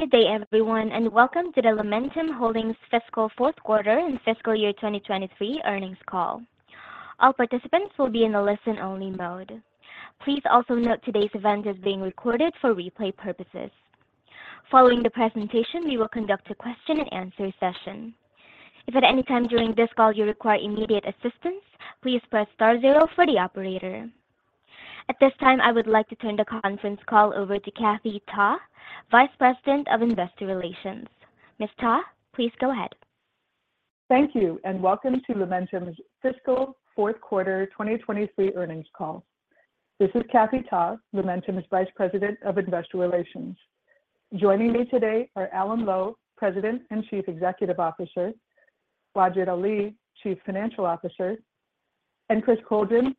Good day, everyone, and welcome to the Lumentum Holdings' fiscal fourth quarter and fiscal year 2023 earnings call. All participants will be in a listen-only mode. Please also note today's event is being recorded for replay purposes. Following the presentation, we will conduct a question-and-answer session. If at any time during this call you require immediate assistance, please press star zero for the operator. At this time, I would like to turn the conference call over to Kathy Ta, Vice President of Investor Relations. Ms. Ta, please go ahead. Thank you, and welcome to Lumentum's fiscal fourth quarter 2023 earnings call. This is Kathy Ta, Lumentum's Vice President of Investor Relations. Joining me today are Alan Lowe, President and Chief Executive Officer; Wajid Ali, Chief Financial Officer; and Chris Coldren,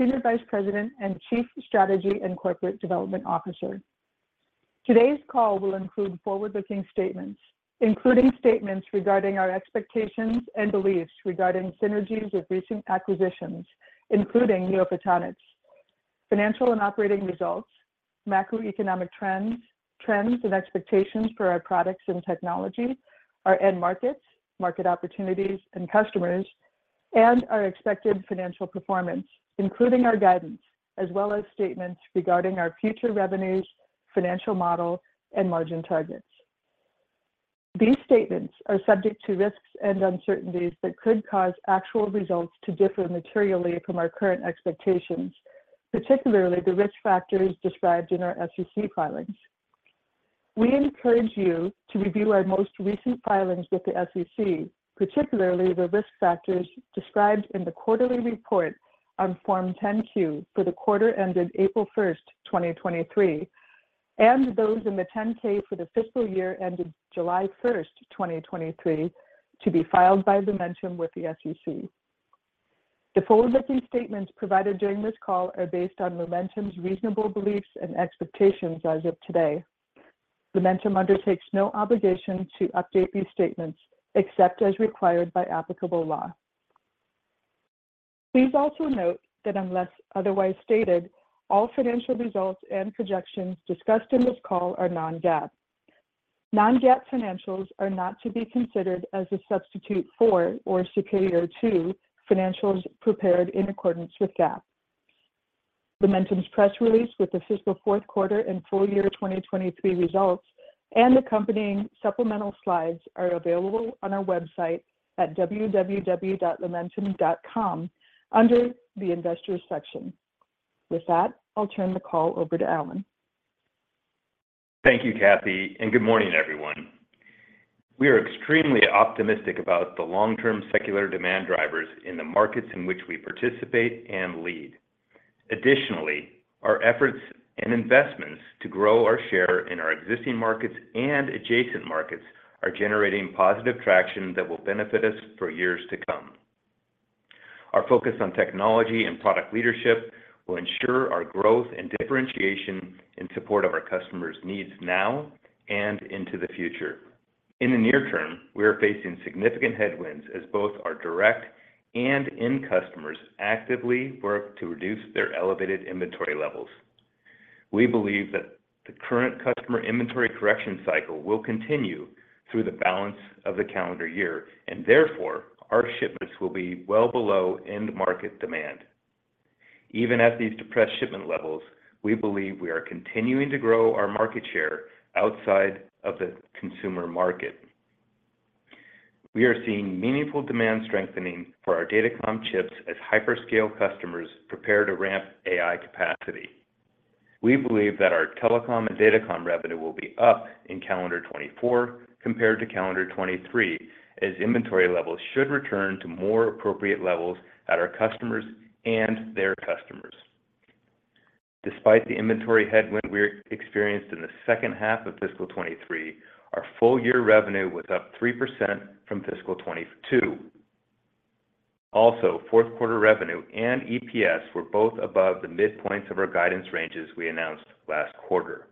Senior Vice President and Chief Strategy and Corporate Development Officer. Today's call will include forward-looking statements, including statements regarding our expectations and beliefs regarding synergies of recent acquisitions, including NeoPhotonics, financial and operating results, macroeconomic trends, trends and expectations for our products and technology, our end markets, market opportunities and customers, and our expected financial performance, including our guidance, as well as statements regarding our future revenues, financial model, and margin targets. These statements are subject to risks and uncertainties that could cause actual results to differ materially from our current expectations, particularly the risk factors described in our SEC filings. We encourage you to review our most recent filings with the SEC, particularly the risk factors described in the quarterly report on Form 10-Q for the quarter ended April 1, 2023, and those in the Form 10-K for the fiscal year ended July 1, 2023, to be filed by Lumentum with the SEC. The forward-looking statements provided during this call are based on Lumentum's reasonable beliefs and expectations as of today. Lumentum undertakes no obligation to update these statements except as required by applicable law. Please also note that unless otherwise stated, all financial results and projections discussed in this call are non-GAAP. Non-GAAP financials are not to be considered as a substitute for or superior to financials prepared in accordance with GAAP. Lumentum's press release with the fiscal fourth quarter and full year 2023 results and accompanying supplemental slides are available on our website at www.lumentum.com under the Investors section. With that, I'll turn the call over to Alan. Thank you, Kathy, and good morning, everyone. We are extremely optimistic about the long-term secular demand drivers in the markets in which we participate and lead. Additionally, our efforts and investments to grow our share in our existing markets and adjacent markets are generating positive traction that will benefit us for years to come. Our focus on technology and product leadership will ensure our growth and differentiation in support of our customers' needs now and into the future. In the near term, we are facing significant headwinds as both our direct and end customers actively work to reduce their elevated inventory levels. We believe that the current customer inventory correction cycle will continue through the balance of the calendar year, and therefore, our shipments will be well below end market demand. Even at these depressed shipment levels, we believe we are continuing to grow our market share outside of the consumer market. We are seeing meaningful demand strengthening for our datacom chips as hyperscale customers prepare to ramp AI capacity. We believe that our telecom and datacom revenue will be up in calendar 2024 compared to calendar 2023, as inventory levels should return to more appropriate levels at our customers and their customers. Despite the inventory headwind we experienced in the second half of fiscal 2023, our full year revenue was up 3% from fiscal 2022. Also, fourth quarter revenue and EPS were both above the midpoints of our guidance ranges we announced last quarter.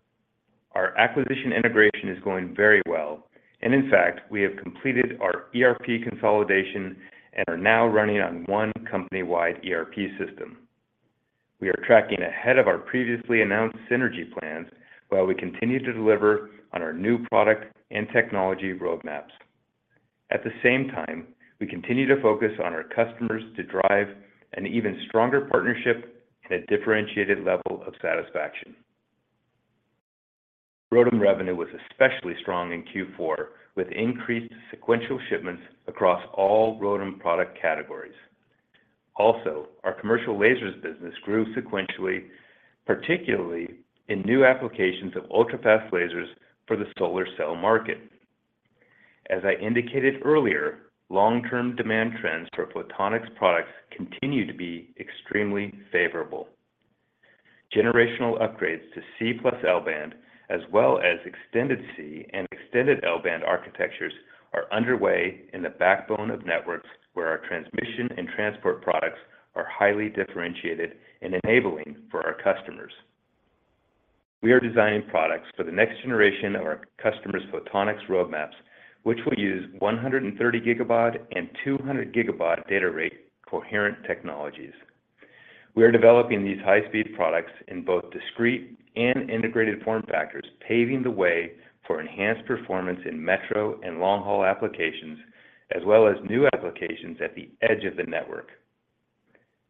Our acquisition integration is going very well, and in fact, we have completed our ERP consolidation and are now running on one company-wide ERP system. We are tracking ahead of our previously announced synergy plans, while we continue to deliver on our new product and technology roadmaps. At the same time, we continue to focus on our customers to drive an even stronger partnership and a differentiated level of satisfaction. ROADM revenue was especially strong in Q4, with increased sequential shipments across all ROADM product categories. Also, our commercial lasers business grew sequentially, particularly in new applications of ultrafast lasers for the solar cell market. As I indicated earlier, long-term demand trends for photonics products continue to be extremely favorable. Generational upgrades to C+L band, as well as extended C band and extended L band architectures, are underway in the backbone of networks where our transmission and transport products are highly differentiated and enabling for our customers. We are designing products for the next generation of our customers' photonics roadmaps, which will use 130 Gbaud and 200 Gbaud data rate coherent technologies. We are developing these high-speed products in both discrete and integrated form factors, paving the way for enhanced performance in metro and long-haul applications, as well as new applications at the edge of the network.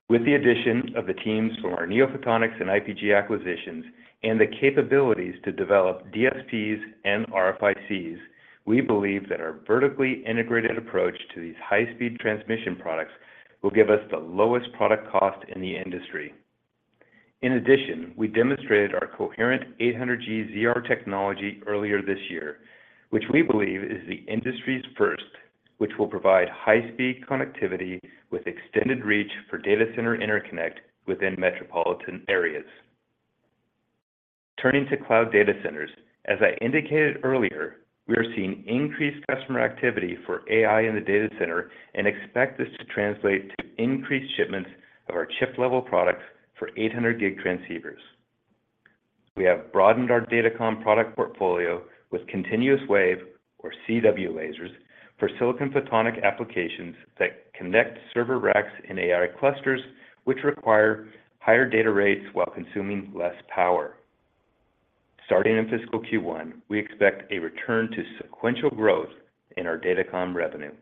With the addition of the teams from our NeoPhotonics and IPG acquisitions and the capabilities to develop DSPs and RFICs, we believe that our vertically integrated approach to these high-speed transmission products will give us the lowest product cost in the industry. We demonstrated our coherent 800G ZR technology earlier this year, which we believe is the industry's first, which will provide high-speed connectivity with extended reach for data center interconnect within metropolitan areas. Turning to cloud data centers, as I indicated earlier, we are seeing increased customer activity for AI in the data center and expect this to translate to increased shipments of our chip level products for 800G transceivers. We have broadened our datacom product portfolio with continuous wave or CW lasers for silicon photonics applications that connect server racks in AI clusters, which require higher data rates while consuming less power. Starting in fiscal Q1, we expect a return to sequential growth in our datacom revenue.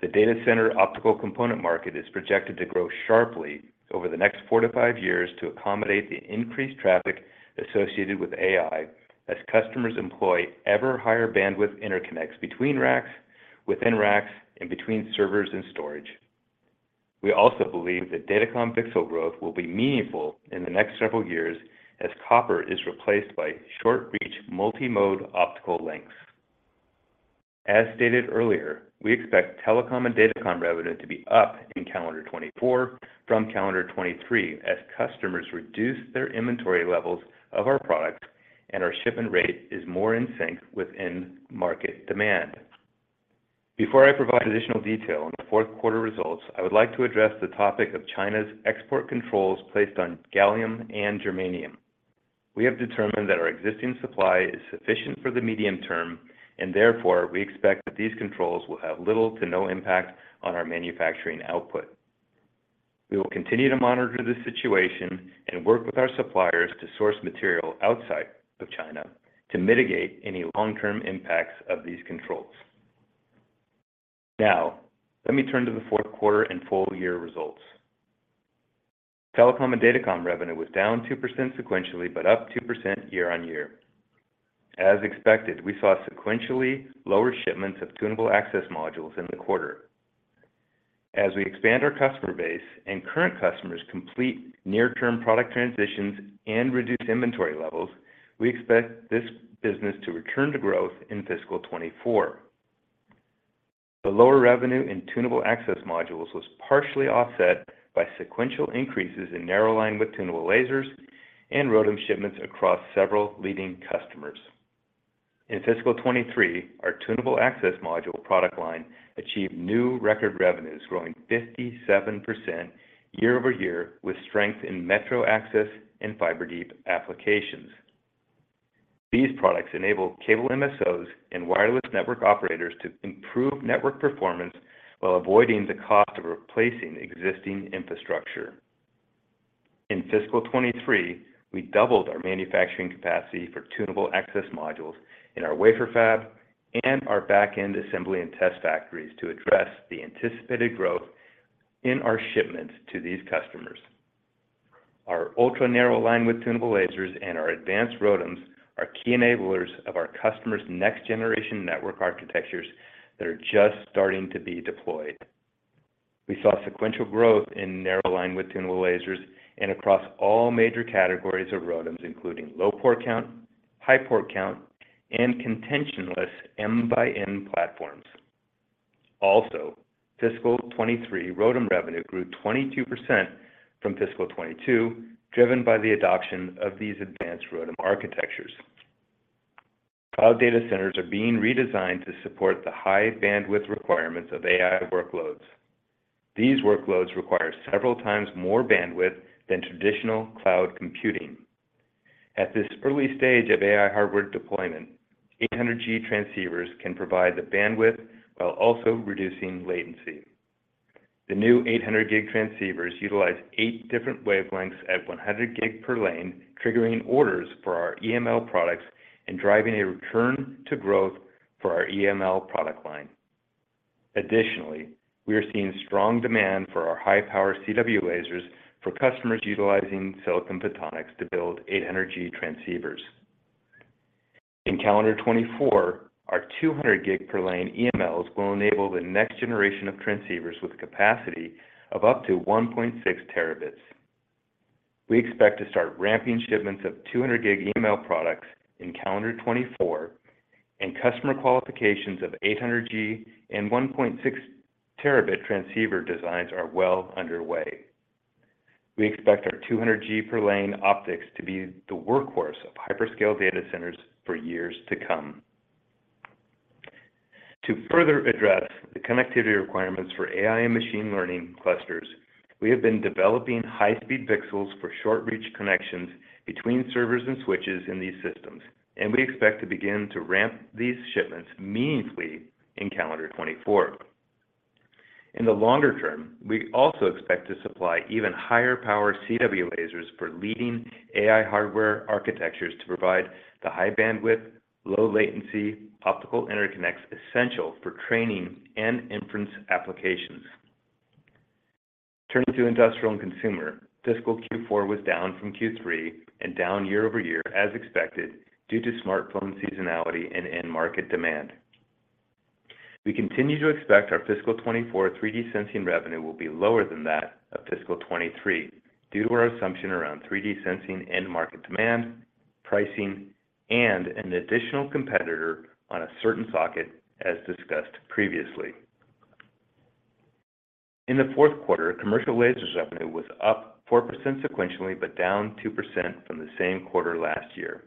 The data center optical component market is projected to grow sharply over the next four to five years to accommodate the increased traffic associated with AI as customers employ ever higher bandwidth interconnects between racks, within racks, and between servers and storage. We also believe that datacom VCSEL growth will be meaningful in the next several years as copper is replaced by short-reach, multi-mode optical links. As stated earlier, we expect telecom and datacom revenue to be up in calendar 2024 from calendar 2023 as customers reduce their inventory levels of our products and our shipment rate is more in sync with end market demand. Before I provide additional detail on the fourth quarter results, I would like to address the topic of China's export controls placed on gallium and germanium. We have determined that our existing supply is sufficient for the medium term, and therefore, we expect that these controls will have little to no impact on our manufacturing output. We will continue to monitor the situation and work with our suppliers to source material outside of China to mitigate any long-term impacts of these controls. Now, let me turn to the fourth quarter and full year results. Telecom and datacom revenue was down 2% sequentially, but up 2% year-on-year. As expected, we saw sequentially lower shipments of tunable access modules in the quarter. As we expand our customer base and current customers complete near-term product transitions and reduce inventory levels, we expect this business to return to growth in fiscal 2024. The lower revenue in tunable access modules was partially offset by sequential increases in narrow linewidth tunable lasers and ROADM shipments across several leading customers. In fiscal 2023, our tunable access module product line achieved new record revenues, growing 57% year-over-year, with strength in metro access and fiber deep applications. These products enable cable MSOs and wireless network operators to improve network performance while avoiding the cost of replacing existing infrastructure. In fiscal 2023, we doubled our manufacturing capacity for tunable access modules in our wafer fab and our back-end assembly and test factories to address the anticipated growth in our shipments to these customers. Our ultra narrow linewidth tunable lasers and our advanced ROADMs are key enablers of our customers' next generation network architectures that are just starting to be deployed. We saw sequential growth in narrow linewidth tunable lasers and across all major categories of ROADMs, including low port count, high port count, and contentionless M x N platforms. Fiscal 2023 ROADM revenue grew 22% from fiscal 2022, driven by the adoption of these advanced ROADM architectures. Cloud data centers are being redesigned to support the high bandwidth requirements of AI workloads. These workloads require several times more bandwidth than traditional cloud computing. At this early stage of AI hardware deployment, 800G transceivers can provide the bandwidth while also reducing latency. The new 800 gig transceivers utilize eight different wavelengths at 100 gig per lane, triggering orders for our EML products and driving a return to growth for our EML product line. Additionally, we are seeing strong demand for our high-power CW lasers for customers utilizing silicon photonics to build 800G transceivers. In calendar 2024, our 200 gig per lane EMLs will enable the next generation of transceivers with capacity of up to 1.6 terabits. We expect to start ramping shipments of 200 gig EML products in calendar 2024, and customer qualifications of 800G and 1.6 terabit transceiver designs are well underway. We expect our 200G per lane optics to be the workhorse of hyperscale data centers for years to come. To further address the connectivity requirements for AI and machine learning clusters, we have been developing high-speed VCSELs for short-reach connections between servers and switches in these systems, and we expect to begin to ramp these shipments meaningfully in calendar 2024. In the longer term, we also expect to supply even higher power CW lasers for leading AI hardware architectures to provide the high bandwidth, low latency, optical interconnects essential for training and inference applications. Turning to industrial and consumer, fiscal Q4 was down from Q3 and down year-over-year as expected, due to smartphone seasonality and end market demand. We continue to expect our fiscal 2024 3D sensing revenue will be lower than that of fiscal 2023, due to our assumption around 3D sensing end market demand, pricing, and an additional competitor on a certain socket, as discussed previously. In the fourth quarter, commercial lasers revenue was up 4% sequentially, but down 2% from the same quarter last year.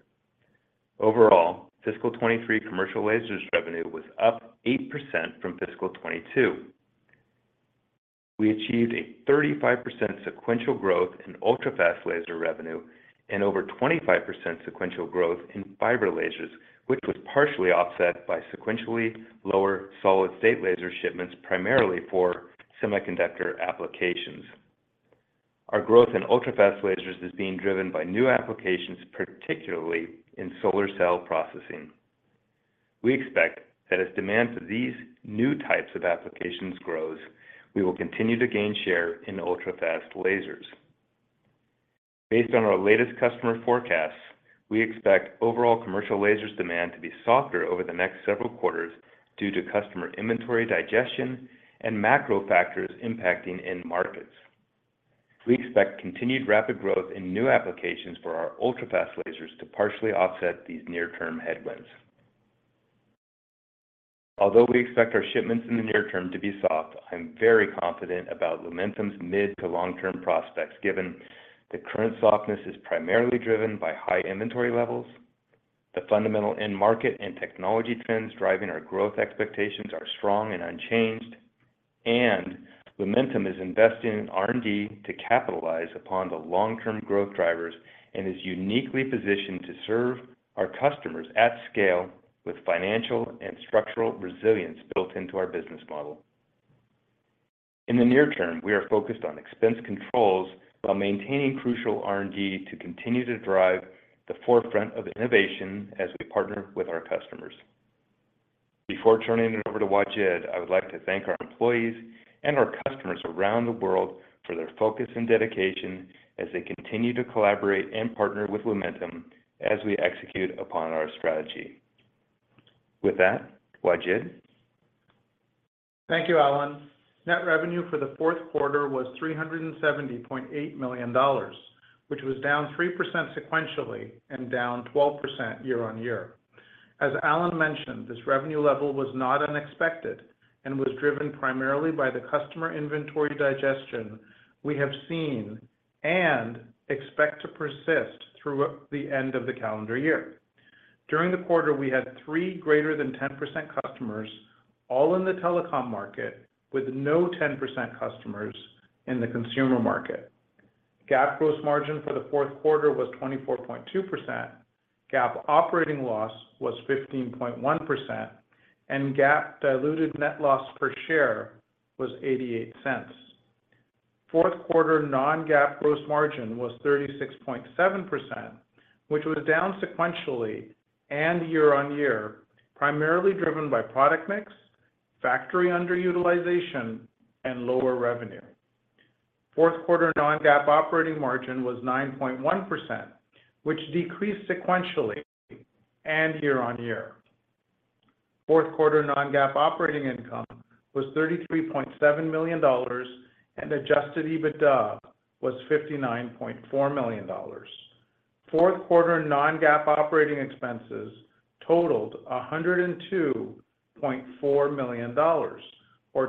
Overall, fiscal 2023 commercial lasers revenue was up 8% from fiscal 2022. We achieved a 35% sequential growth in ultrafast laser revenue and over 25% sequential growth in fiber lasers, which was partially offset by sequentially lower solid-state laser shipments, primarily for semiconductor applications. Our growth in ultrafast lasers is being driven by new applications, particularly in solar cell processing. We expect that as demand for these new types of applications grows, we will continue to gain share in ultrafast lasers. Based on our latest customer forecasts, we expect overall commercial lasers demand to be softer over the next several quarters due to customer inventory digestion and macro factors impacting end markets. We expect continued rapid growth in new applications for our ultrafast lasers to partially offset these near-term headwinds. Although we expect our shipments in the near term to be soft, I'm very confident about Lumentum's mid to long-term prospects, given the current softness is primarily driven by high inventory levels, the fundamental end market and technology trends driving our growth expectations are strong and unchanged, and Lumentum is investing in R&D to capitalize upon the long-term growth drivers, and is uniquely positioned to serve our customers at scale with financial and structural resilience built into our business model. In the near term, we are focused on expense controls while maintaining crucial R&D to continue to drive the forefront of innovation as we partner with our customers. Before turning it over to Wajid, I would like to thank our employees and our customers around the world for their focus and dedication as they continue to collaborate and partner with Lumentum as we execute upon our strategy. With that, Wajid? Thank you, Alan. Net revenue for the fourth quarter was $370.8 million, which was down 3% sequentially and down 12% year-on-year. As Alan mentioned, this revenue level was not unexpected and was driven primarily by the customer inventory digestion we have seen and expect to persist through the end of the calendar year. During the quarter, we had three greater than 10% customers, all in the telecom market, with no 10% customers in the consumer market. GAAP gross margin for the fourth quarter was 24.2%, GAAP operating loss was 15.1%, and GAAP diluted net loss per share was $0.88. Fourth quarter non-GAAP gross margin was 36.7%, which was down sequentially and year-on-year, primarily driven by product mix, factory underutilization, and lower revenue. Fourth quarter non-GAAP operating margin was 9.1%, which decreased sequentially and year-on-year. Fourth quarter non-GAAP operating income was $33.7 million, and adjusted EBITDA was $59.4 million. Fourth quarter non-GAAP operating expenses totaled $102.4 million or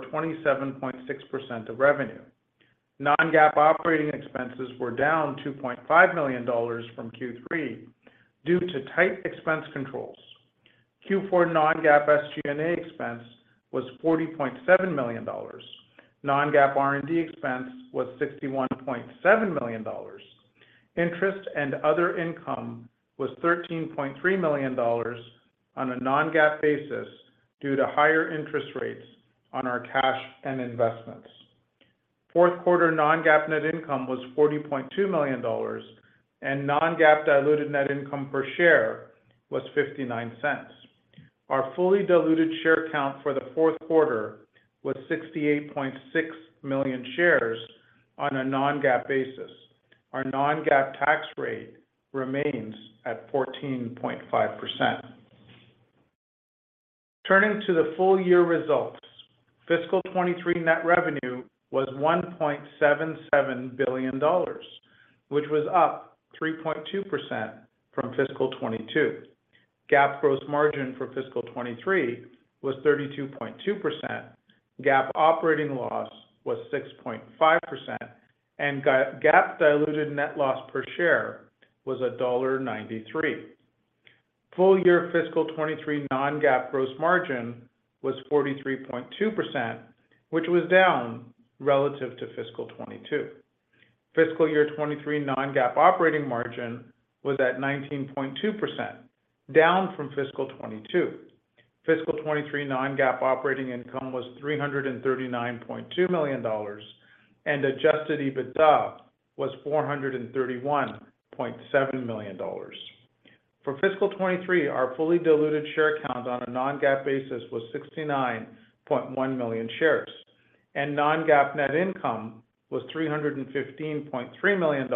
27.6% of revenue. Non-GAAP operating expenses were down $2.5 million from Q3 due to tight expense controls. Q4 non-GAAP SG&A expense was $40.7 million. Non-GAAP R&D expense was $61.7 million. Interest and other income was $13.3 million on a non-GAAP basis due to higher interest rates on our cash and investments. Fourth quarter non-GAAP net income was $40.2 million, and non-GAAP diluted net income per share was $0.59. Our fully diluted share count for the fourth quarter was 68.6 million shares on a non-GAAP basis. Our non-GAAP tax rate remains at 14.5%. Turning to the full year results, fiscal 2023 net revenue was $1.77 billion, which was up 3.2% from fiscal 2022. GAAP gross margin for fiscal 2023 was 32.2%. GAAP operating loss was 6.5%, and GAAP diluted net loss per share was $1.93. Full year fiscal 2023 non-GAAP gross margin was 43.2%, which was down relative to fiscal 2022. Fiscal 2023 non-GAAP operating margin was at 19.2%, down from fiscal 2022. Fiscal 2023 non-GAAP operating income was $339.2 million, and adjusted EBITDA was $431.7 million. For fiscal 2023, our fully diluted share count on a non-GAAP basis was 69.1 million shares. Non-GAAP net income was $315.3 million.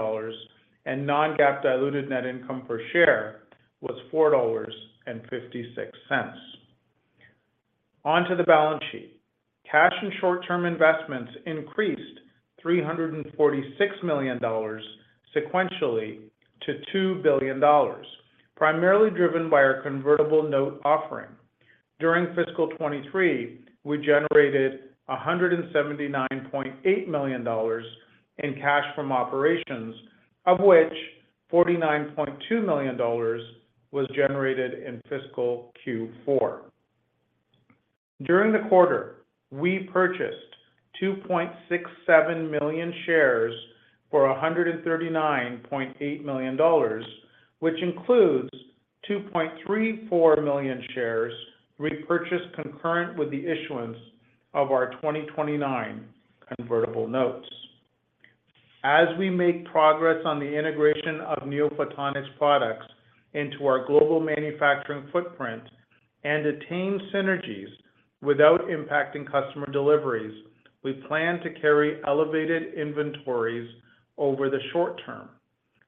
Non-GAAP diluted net income per share was $4.56. On to the balance sheet. Cash and short-term investments increased $346 million sequentially to $2 billion, primarily driven by our convertible note offering. During fiscal 2023, we generated $179.8 million in cash from operations, of which $49.2 million was generated in fiscal Q4. During the quarter, we purchased 2.67 million shares for $139.8 million, which includes 2.34 million shares repurchased concurrent with the issuance of our 2029 convertible notes. As we make progress on the integration of NeoPhotonics products into our global manufacturing footprint and attain synergies without impacting customer deliveries, we plan to carry elevated inventories over the short term.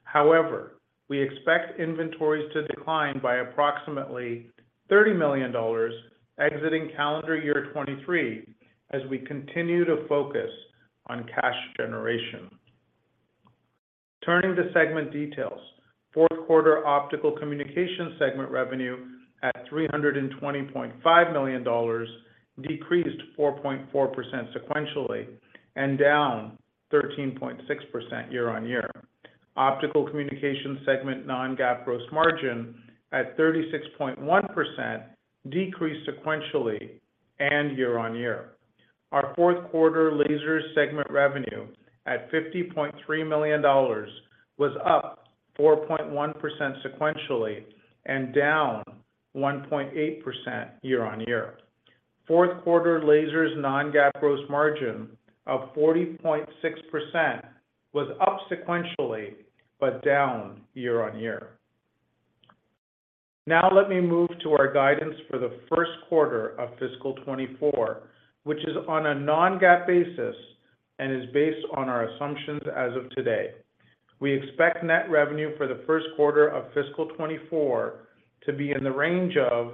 However, we expect inventories to decline by approximately $30 million exiting calendar year 2023 as we continue to focus on cash generation. Turning to segment details. Fourth quarter optical communication segment revenue at $320.5 million decreased 4.4% sequentially and down 13.6% year-over-year. Optical communication segment non-GAAP gross margin at 36.1% decreased sequentially and year-over-year. Our fourth quarter laser segment revenue at $50.3 million was up 4.1% sequentially and down 1.8% year-over-year. Fourth quarter lasers non-GAAP gross margin of 40.6% was up sequentially, but down year-over-year. Let me move to our guidance for the first quarter of fiscal 2024, which is on a non-GAAP basis and is based on our assumptions as of today. We expect net revenue for the first quarter of fiscal 2024 to be in the range of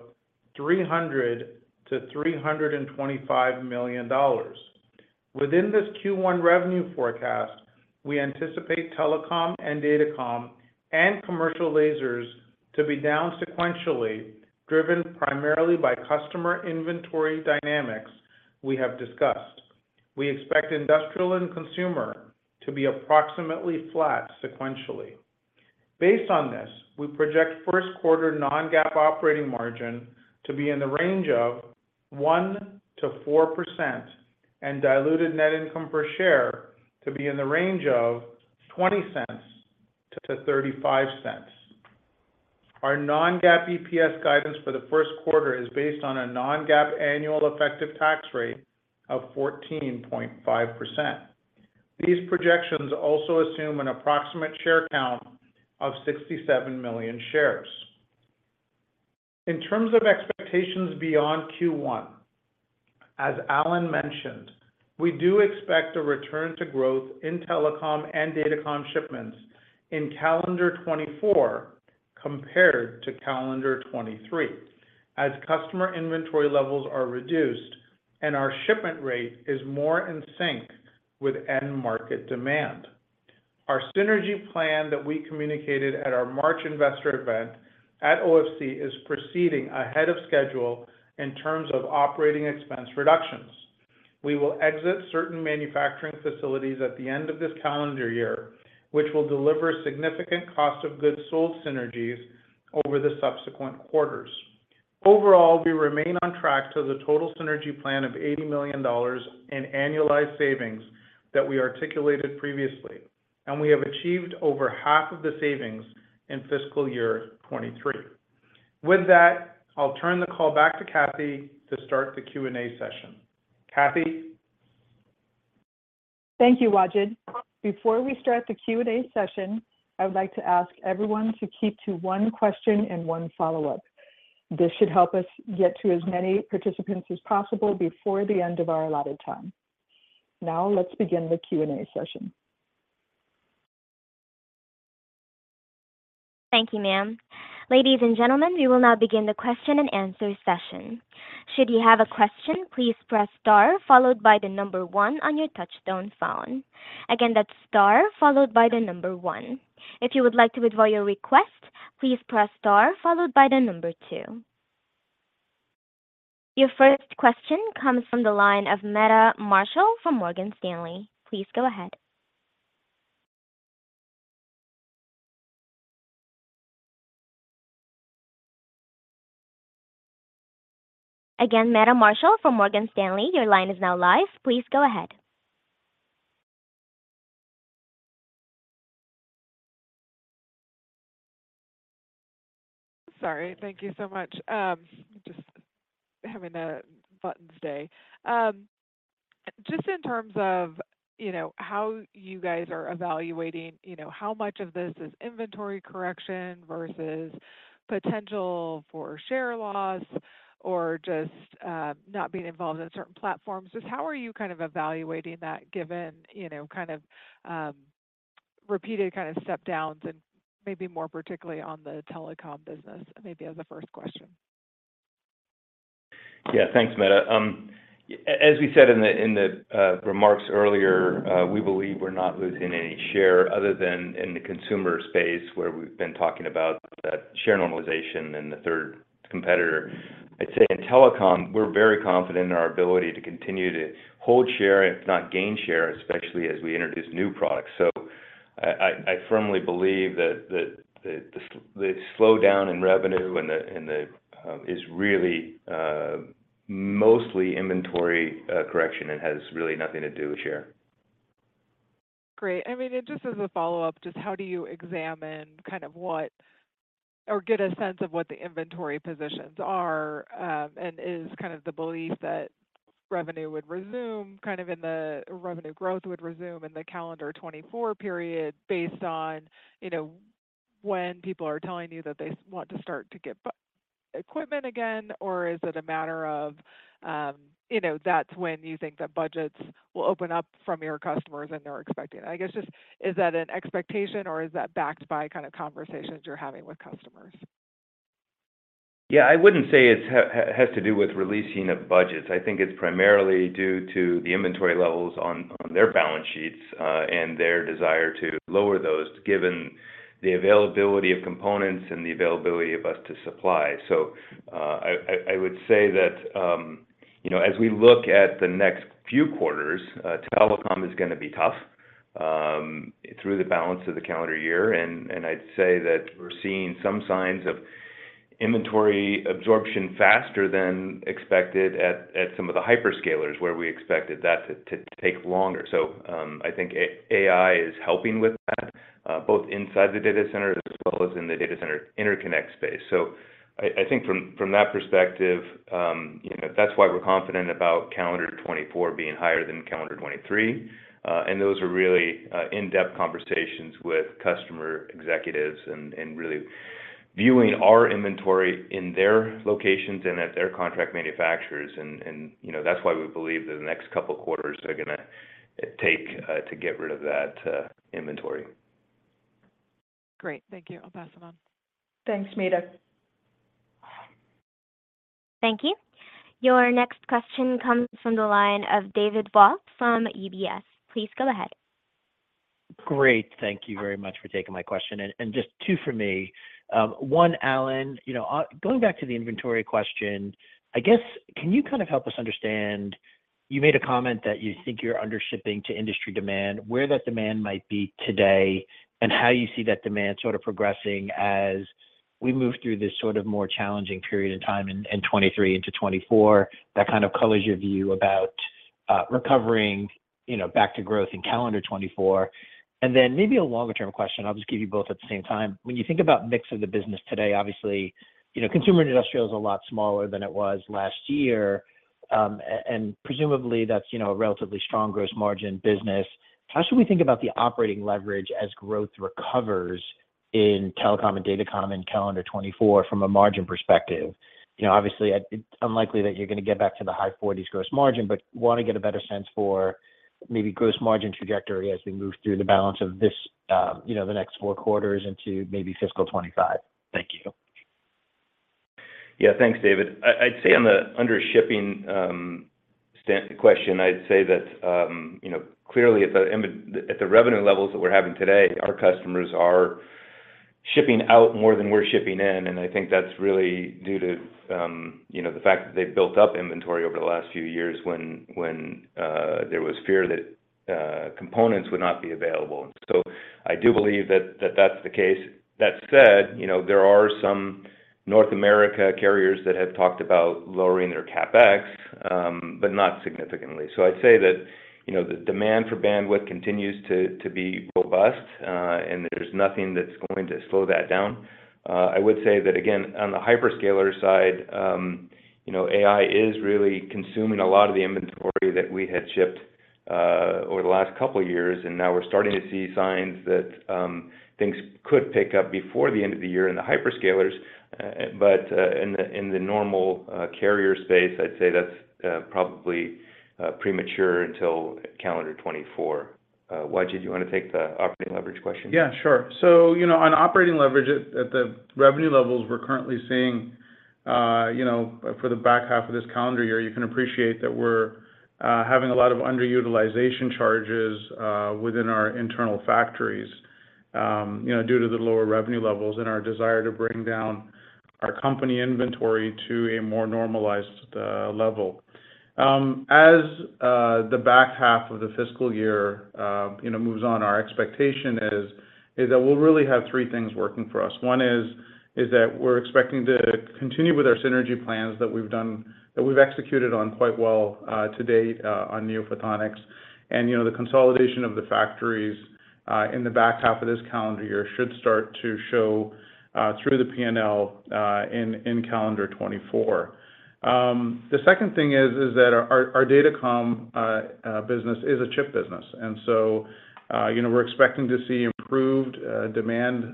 $300 million-$325 million. Within this Q1 revenue forecast, we anticipate telecom and datacom and commercial lasers to be down sequentially, driven primarily by customer inventory dynamics we have discussed. We expect industrial and consumer to be approximately flat sequentially. Based on this, we project first quarter non-GAAP operating margin to be in the range of 1%-4% and diluted net income per share to be in the range of $0.20-$0.35. Our non-GAAP EPS guidance for the first quarter is based on a non-GAAP annual effective tax rate of 14.5%. These projections also assume an approximate share count of 67 million shares. In terms of expectations beyond Q1, as Alan mentioned, we do expect a return to growth in telecom and datacom shipments in calendar 2024 compared to calendar 2023, as customer inventory levels are reduced and our shipment rate is more in sync with end market demand. Our synergy plan that we communicated at our March investor event at OFC is proceeding ahead of schedule in terms of operating expense reductions. We will exit certain manufacturing facilities at the end of this calendar year, which will deliver significant cost of goods sold synergies over the subsequent quarters. Overall, we remain on track to the total synergy plan of $80 million in annualized savings that we articulated previously. We have achieved over half of the savings in fiscal year 2023. With that, I'll turn the call back to Kathy to start the Q&A session. Kathy? Thank you, Wajid. Before we start the Q&A session, I would like to ask everyone to keep to one question and one follow-up. This should help us get to as many participants as possible before the end of our allotted time. Now, let's begin the Q&A session. Thank you, ma'am. Ladies and gentlemen, we will now begin the question-and-answer session. Should you have a question, please press star followed by the number one on your touch-tone phone. Again, that's star followed by the number one. If you would like to withdraw your request, please press star followed by the number two. Your first question comes from the line of Meta Marshall from Morgan Stanley. Please go ahead.... Again, Meta Marshall from Morgan Stanley, your line is now live. Please go ahead. Sorry, thank you so much. Just having a buttons day. Just in terms of, you know, how you guys are evaluating, you know, how much of this is inventory correction versus potential for share loss or just not being involved in certain platforms? Just how are you kind of evaluating that given, you know, kind of repeated kind of step downs and maybe more particularly on the telecom business? Maybe as the first question. Yeah, thanks, Meta. As we said in the, in the remarks earlier, we believe we're not losing any share other than in the consumer space, where we've been talking about that share normalization and the third competitor. I'd say in telecom, we're very confident in our ability to continue to hold share, if not gain share, especially as we introduce new products. I, I, I firmly believe that, that, that the, the slowdown in revenue and the, and the is really mostly inventory correction and has really nothing to do with share. Great. I mean, just as a follow-up, just how do you examine kind of what or get a sense of what the inventory positions are, and is kind of the belief that revenue would resume, kind of in the revenue growth would resume in the calendar 2024 period, based on, you know, when people are telling you that they want to start to get equipment again? Or is it a matter of, you know, that's when you think that budgets will open up from your customers, and they're expecting. I guess just, is that an expectation or is that backed by kind of conversations you're having with customers? Yeah, I wouldn't say it has to do with releasing of budgets. I think it's primarily due to the inventory levels on, on their balance sheets, and their desire to lower those, given the availability of components and the availability of us to supply. I, I, I would say that, you know, as we look at the next few quarters, telecom is gonna be tough, through the balance of the calendar year. I'd say that we're seeing some signs of inventory absorption faster than expected at, at some of the hyperscalers, where we expected that to, to take longer. I think AI is helping with that, both inside the data center as well as in the data center interconnect space. I, I think from, from that perspective, you know, that's why we're confident about calendar 2024 being higher than calendar 2023. Those are really in-depth conversations with customer executives and, and really viewing our inventory in their locations and at their contract manufacturers. And, you know, that's why we believe that the next couple quarters are gonna take to get rid of that inventory. Great. Thank you. I'll pass it on. Thanks, Meta. Thank you. Your next question comes from the line of David Vogt from UBS. Please go ahead. Great. Thank you very much for taking my question. Just two for me. One, Alan, you know, going back to the inventory question, I guess, can you kind of help us understand... You made a comment that you think you're under shipping to industry demand, where that demand might be today, and how you see that demand sort of progressing as we move through this sort of more challenging period of time in 2023 into 2024, that kind of colors your view about recovering, you know, back to growth in calendar 2024? Then maybe a longer-term question, I'll just give you both at the same time. When you think about mix of the business today, obviously, you know, consumer industrial is a lot smaller than it was last year. And presumably that's, you know, a relatively strong gross margin business. How should we think about the operating leverage as growth recovers in telecom and datacom in calendar 2024 from a margin perspective? You know, obviously, it's unlikely that you're going to get back to the high 40s gross margin, but want to get a better sense for maybe gross margin trajectory as we move through the balance of this, you know, the next four quarters into maybe fiscal 2025. Thank you. Yeah. Thanks, David. I, I'd say on the under shipping question, I'd say that, you know, clearly at the revenue levels that we're having today, our customers are shipping out more than we're shipping in, and I think that's really due to, you know, the fact that they've built up inventory over the last few years when, when there was fear that components would not be available. I do believe that, that that's the case. That said, you know, there are some North America carriers that have talked about lowering their CapEx, but not significantly. I'd say that, you know, the demand for bandwidth continues to, to be robust, and there's nothing that's going to slow that down. I would say that again, on the hyperscaler side, you know, AI is really consuming a lot of the inventory that we had shipped over the last couple of years, and now we're starting to see signs that things could pick up before the end of the year in the hyperscalers. But in the normal carrier space, I'd say that's probably premature until calendar 2024. Wajid, do you want to take the operating leverage question? Yeah, sure. So, you know, on operating leverage at, at the revenue levels we're currently seeing, you know, for the back half of this calendar year, you can appreciate that we're having a lot of underutilization charges within our internal factories, you know, due to the lower revenue levels and our desire to bring down our company inventory to a more normalized level. As the back half of the fiscal year, you know, moves on, our expectation is, is that we'll really have three things working for us. One is, is that we're expecting to continue with our synergy plans that we've done, that we've executed on quite well to date on NeoPhotonics. You know, the consolidation of the factories in the back half of this calendar year should start to show through the P&L in calendar 2024. The second thing is, is that our, our datacom business is a chip business. You know, we're expecting to see improved demand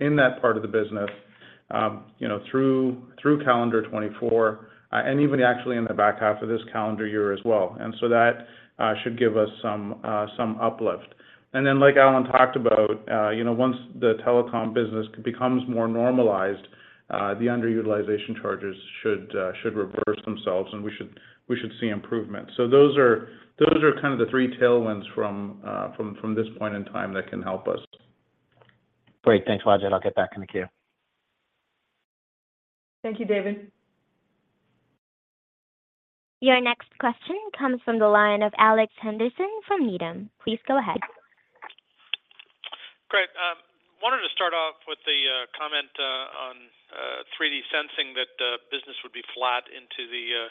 in that part of the business, you know, through calendar 2024 and even actually in the back half of this calendar year as well. That should give us some uplift. Like Alan talked about, you know, once the telecom business becomes more normalized, the underutilization charges should reverse themselves, and we should, we should see improvement. Those are, those are kind of the three tailwinds from, from, from this point in time that can help us. Great. Thanks, Wajid. I'll get back in the queue. Thank you, David. Your next question comes from the line of Alex Henderson from Needham. Please go ahead. Great. Wanted to start off with the comment on 3D sensing that the business would be flat into the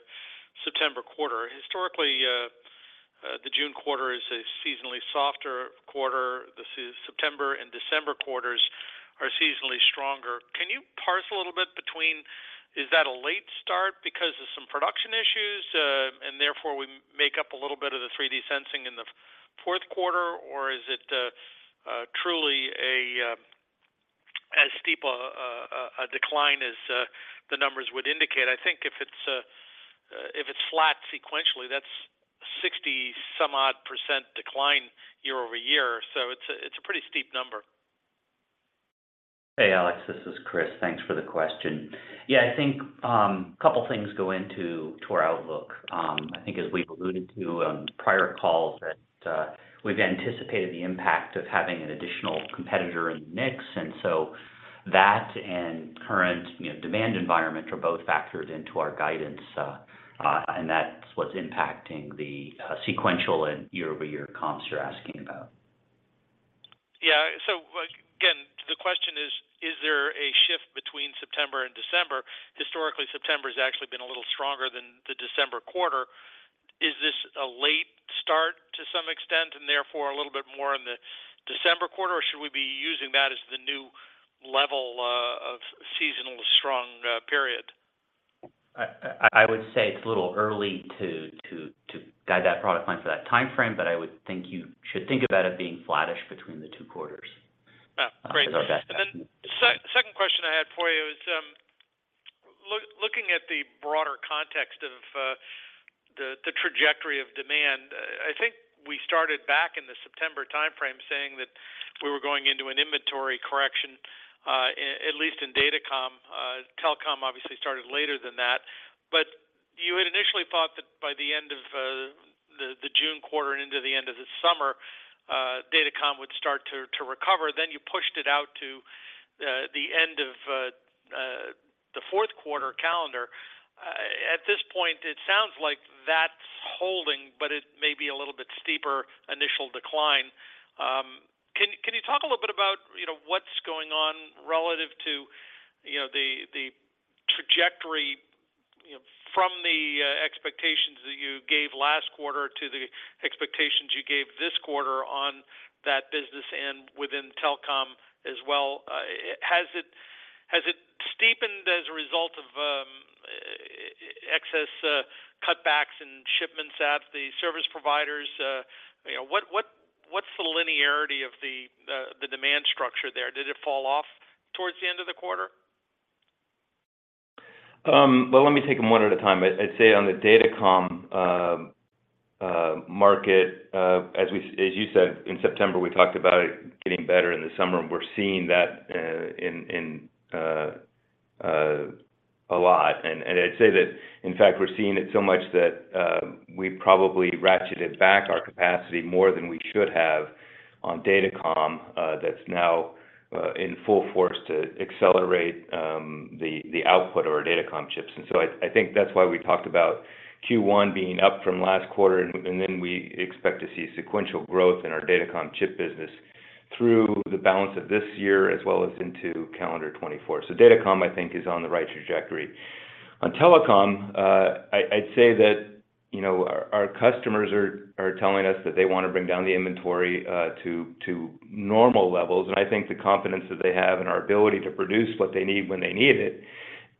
September quarter. Historically, the June quarter is a seasonally softer quarter. The September and December quarters are seasonally stronger. Can you parse a little bit between, is that a late start because of some production issues, and therefore we make up a little bit of the 3D sensing in the fourth quarter? Or is it truly as steep a decline as the numbers would indicate? I think if it's if it's flat sequentially, that's 60 some odd percent decline year-over-year. It's a pretty steep number. Hey, Alex, this is Chris. Thanks for the question. Yeah, I think, a couple of things go into to our outlook. I think as we've alluded to on prior calls, that, we've anticipated the impact of having an additional competitor in the mix, and so that and current, you know, demand environment are both factored into our guidance, and that's what's impacting the sequential and year-over-year comps you're asking about. Yeah. Again, the question is: Is there a shift between September and December? Historically, September has actually been a little stronger than the December quarter. Is this a late start to some extent, and therefore a little bit more in the December quarter, or should we be using that as the new level of seasonal strong period? I would say it's a little early to guide that product line for that time frame, but I would think you should think about it being flattish between the two quarters. Ah, great. Is our best- Second question I had for you is, looking at the broader context of the trajectory of demand, I think we started back in the September time frame saying that we were going into an inventory correction, at least in datacom. Telecom obviously started later than that. You had initially thought that by the end of the June quarter and into the end of the summer, datacom would start to recover, then you pushed it out to the end of the fourth quarter calendar. At this point, it sounds like that's holding, but it may be a little bit steeper initial decline. Can, can you talk a little bit about, you know, what's going on relative to, you know, the, the trajectory, you know, from the expectations that you gave last quarter to the expectations you gave this quarter on that business and within telecom as well? Has it, has it steepened as a result of excess cutbacks in shipments at the service providers? You know, what, what, what's the linearity of the, the, the demand structure there? Did it fall off towards the end of the quarter? Well, let me take them one at a time. I'd say on the datacom market, as you said, in September, we talked about it getting better in the summer, and we're seeing that in a lot. I'd say that, in fact, we're seeing it so much that we probably ratcheted back our capacity more than we should have on datacom, that's now in full force to accelerate the output of our datacom chips. I think that's why we talked about Q1 being up from last quarter, and then we expect to see sequential growth in our datacom chip business through the balance of this year, as well as into calendar 2024. Datacom, I think, is on the right trajectory. On telecom, I, I'd say that, you know, our, our customers are, are telling us that they want to bring down the inventory, to, to normal levels. I think the confidence that they have in our ability to produce what they need when they need it,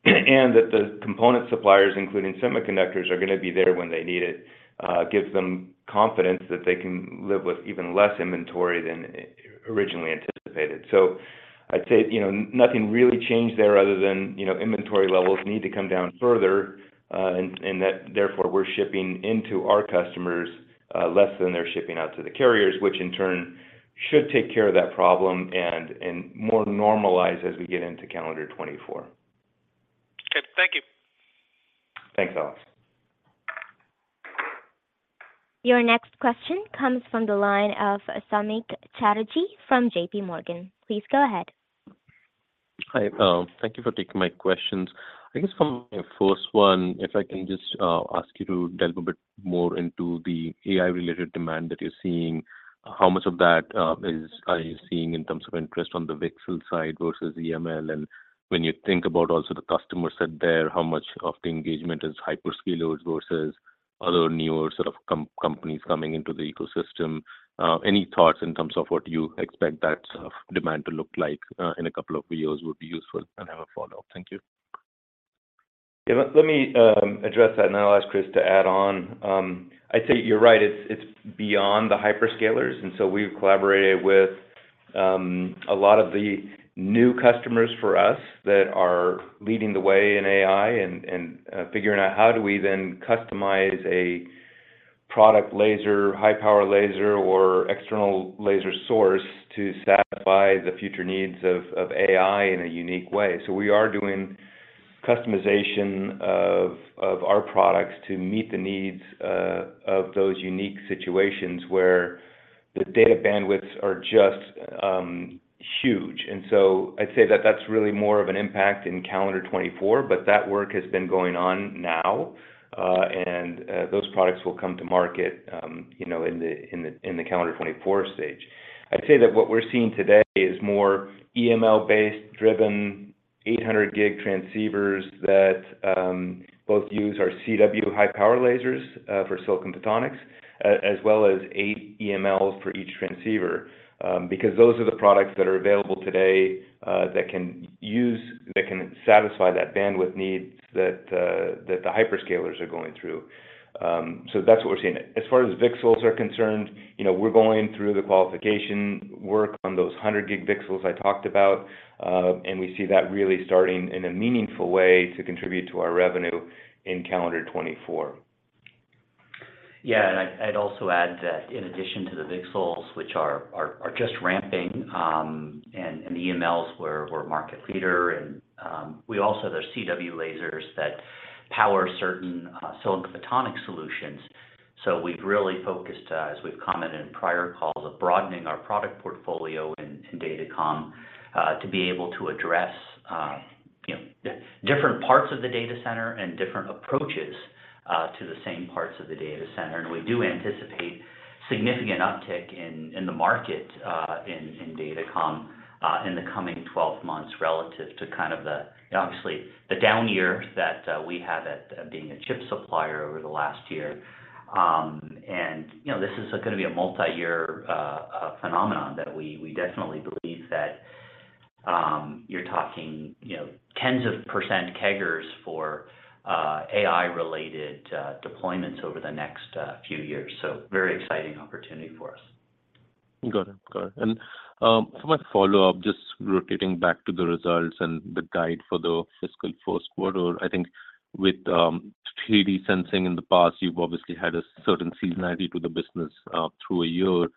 and that the component suppliers, including semiconductors, are going to be there when they need it, gives them confidence that they can live with even less inventory than originally anticipated. I'd say, you know, nothing really changed there other than, you know, inventory levels need to come down further, and, and that therefore, we're shipping into our customers, less than they're shipping out to the carriers, which in turn should take care of that problem and, and more normalized as we get into calendar 2024. Okay. Thank you. Thanks, Alex. Your next question comes from the line of Samik Chatterjee from JPMorgan. Please go ahead. Hi, thank you for taking my questions. I guess for my first one, if I can just ask you to delve a bit more into the AI-related demand that you're seeing. How much of that is, are you seeing in terms of interest on the VCSEL side versus EML? When you think about also the customer set there, how much of the engagement is hyperscalers versus other newer sort of companies coming into the ecosystem? Any thoughts in terms of what you expect that sort of demand to look like in a couple of years would be useful. I have a follow-up. Thank you. Yeah. Let me address that, and then I'll ask Chris to add on. I'd say you're right, it's, it's beyond the hyperscalers, we've collaborated with a lot of the new customers for us that are leading the way in AI figuring out how do we then customize a product laser, high-power laser, or external laser source to satisfy the future needs of AI in a unique way. We are doing customization of our products to meet the needs of those unique situations, where the data bandwidths are just huge. I'd say that that's really more of an impact in calendar 2024, but that work has been going on now, those products will come to market, you know, in the, in the, in the calendar 2024 stage. I'd say that what we're seeing today is more EML-based driven, 800G transceivers that both use our CW high-power lasers for silicon photonics, as well as eight EMLs for each transceiver. Because those are the products that are available today, that can satisfy that bandwidth needs that the hyperscalers are going through. That's what we're seeing. As far as VCSELs are concerned, you know, we're going through the qualification work on those 100G VCSELs I talked about, and we see that really starting in a meaningful way to contribute to our revenue in calendar 2024. I'd, I'd also add that in addition to the VCSELs, which are, are, are just ramping, and, and the EMLs, we're, we're market leader, and we also, there's CW lasers that power certain silicon photonic solutions. We've really focused, as we've commented in prior calls, of broadening our product portfolio in, in datacom, to be able to address, you know, different parts of the data center and different approaches to the same parts of the data center. We do anticipate significant uptick in, in the market, in, in datacom, in the coming 12 months, relative to kind of the, obviously, the down year that we had at, at being a chip supplier over the last year. You know, this is gonna be a multi-year phenomenon that we, we definitely believe that you're talking, you know, 10s of % CAGRs for AI-related deployments over the next few years. Very exciting opportunity for us. Got it. Got it. For my follow-up, just rotating back to the results and the guide for the fiscal first quarter. I think with, 3D sensing in the past, you've obviously had a certain seasonality to the business, through a year.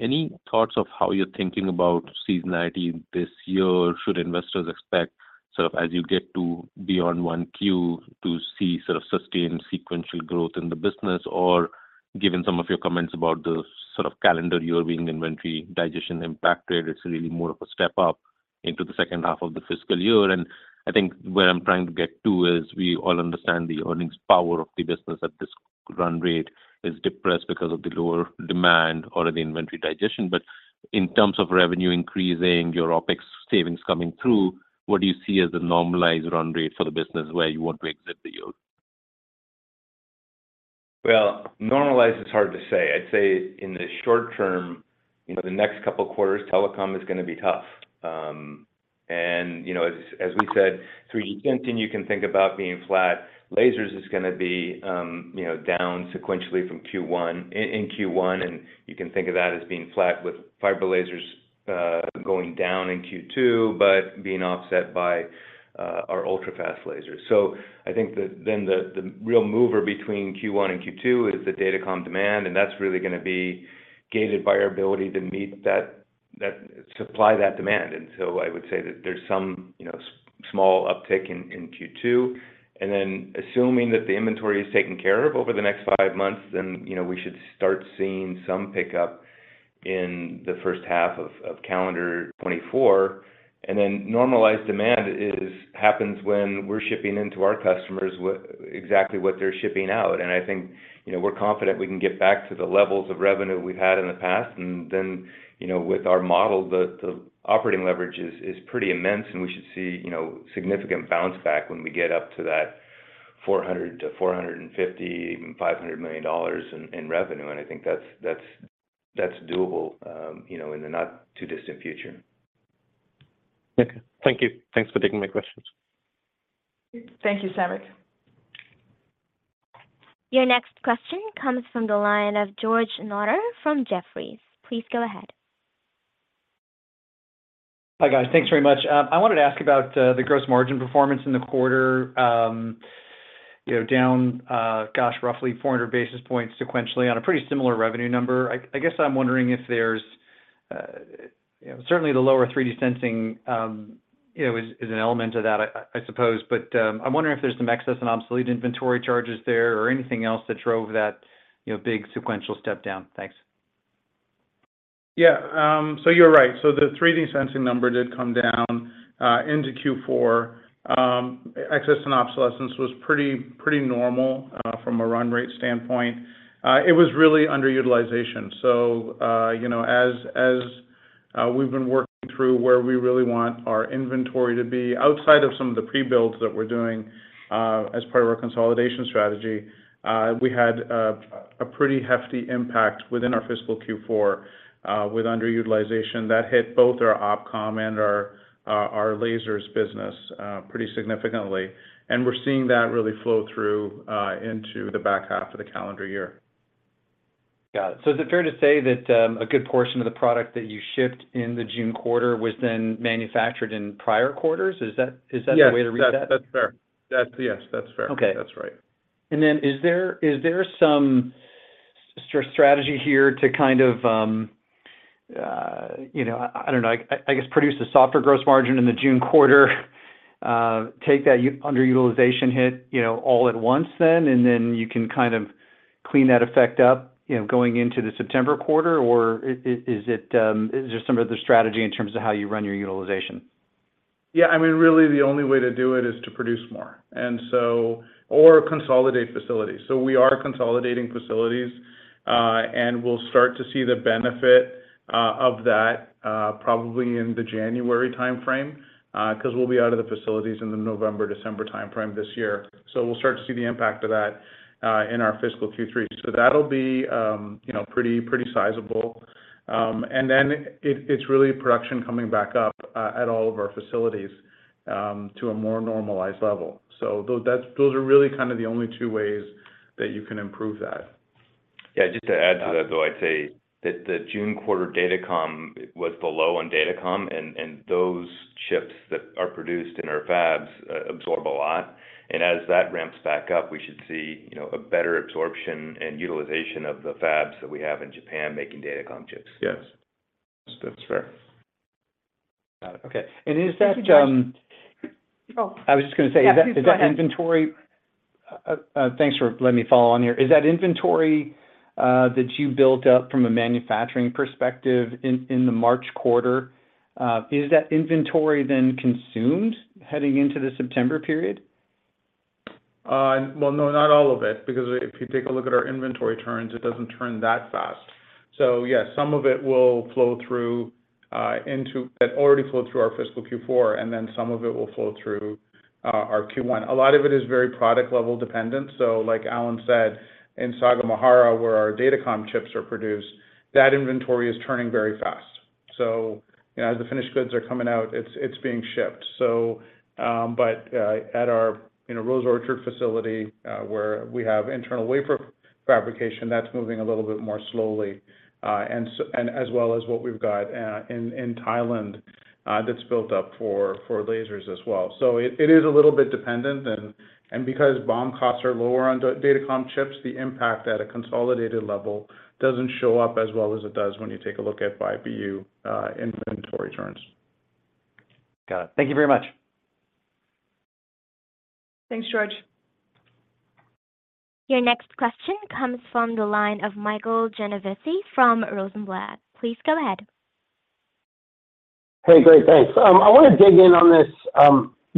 Any thoughts of how you're thinking about seasonality this year? Should investors expect sort of, as you get to beyond 1Q, to see sort of sustained sequential growth in the business? Given some of your comments about the sort of calendar year being inventory digestion impacted, it's really more of a step up into the second half of the fiscal year. I think where I'm trying to get to is, we all understand the earnings power of the business at this run rate is depressed because of the lower demand or the inventory digestion. In terms of revenue increasing, your OpEx savings coming through, what do you see as the normalized run rate for the business where you want to exit the year? Well, normalized, it's hard to say. I'd say in the short term, in the next couple of quarters, telecom is gonna be tough. You know, as, as we said, 3D sensing, you can think about being flat. Lasers is gonna be, you know, down sequentially from Q1, in Q1, and you can think of that as being flat, with fiber lasers, going down in Q2, but being offset by our ultrafast lasers. I think then the, the real mover between Q1 and Q2 is the datacom demand, and that's really gonna be gated by our ability to meet that supply, that demand. I would say that there's some, you know, small uptick in, in Q2, then assuming that the inventory is taken care of over the next five months, then, you know, we should start seeing some pickup in the first half of, of calendar 2024. Normalized demand happens when we're shipping into our customers exactly what they're shipping out. I think, you know, we're confident we can get back to the levels of revenue we've had in the past. With our model, the, the operating leverage is, is pretty immense, and we should see, you know, significant bounce back when we get up to that $400 million-$450 million, even $500 million in, in revenue. I think that's, that's, that's doable, you know, in the not-too-distant future. Okay. Thank you. Thanks for taking my questions. Thank you, Samik. Your next question comes from the line of George Notter from Jefferies. Please go ahead. Hi, guys. Thanks very much. I wanted to ask about the gross margin performance in the quarter. You know, down, gosh, roughly 400 basis points sequentially on a pretty similar revenue number. I, I guess I'm wondering if there's certainly the lower 3D sensing, you know, is, is an element of that, I, I suppose. I'm wondering if there's some excess and obsolete inventory charges there or anything else that drove that, you know, big sequential step down. Thanks. Yeah. You're right. The 3D sensing number did come down into Q4. Excess and obsolescence was pretty, pretty normal from a run rate standpoint. It was really underutilization. You know, as, as we've been working through where we really want our inventory to be, outside of some of the prebuilds that we're doing as part of our consolidation strategy, we had a pretty hefty impact within our fiscal Q4 with underutilization that hit both our OpCom and our lasers business pretty significantly. We're seeing that really flow through into the back half of the calendar year. Got it. Is it fair to say that a good portion of the product that you shipped in the June quarter was then manufactured in prior quarters? Is that, is that the way to read that? Yes, that's, that's fair. Yes, that's fair. Okay. That's right. Is there, is there some strategy here to kind of, you know, I, I don't know, I, I guess, produce a softer gross margin in the June quarter, take that underutilization hit, you know, all at once then, and then you can kind of clean that effect up, you know, going into the September quarter, or is, is it, is there some other strategy in terms of how you run your utilization? Yeah, I mean, really, the only way to do it is to produce more, or consolidate facilities. We are consolidating facilities, and we'll start to see the benefit of that probably in the January time frame, 'cause we'll be out of the facilities in the November, December time frame this year. We'll start to see the impact of that in our fiscal Q3. That'll be, you know, pretty, pretty sizable. It's really production coming back up at all of our facilities to a more normalized level. Those are really kind of the only two ways that you can improve that. Yeah, just to add to that, though, I'd say that the June quarter datacom was below on datacom, and those chips that are produced in our fabs, absorb a lot. As that ramps back up, we should see, you know, a better absorption and utilization of the fabs that we have in Japan making datacom chips. Yes. That's fair. Got it. Okay. Is that- Thank you, George. Oh. I was just going to say- Yeah, please, go ahead.... is that inventory, thanks for letting me follow on here, is that inventory that you built up from a manufacturing perspective in the March quarter, is that inventory then consumed heading into the September period? Well, no, not all of it, because if you take a look at our inventory turns, it doesn't turn that fast. Yes, some of it will flow through. It already flowed through our fiscal Q4, and then some of it will flow through our Q1. A lot of it is very product-level dependent. Like Alan said, in Sagamihara, where our datacom chips are produced, that inventory is turning very fast. You know, as the finished goods are coming out, it's being shipped. At our, you know, Rose Orchard facility, where we have internal wafer fab, that's moving a little bit more slowly. As well as what we've got in Thailand, that's built up for lasers as well. It, it is a little bit dependent, and, and because BOM costs are lower on datacom chips, the impact at a consolidated level doesn't show up as well as it does when you take a look at by BU inventory turns. Got it. Thank you very much. Thanks, George. Your next question comes from the line of Michael Genovese from Rosenblatt. Please go ahead. Hey, great. Thanks. I want to dig in on this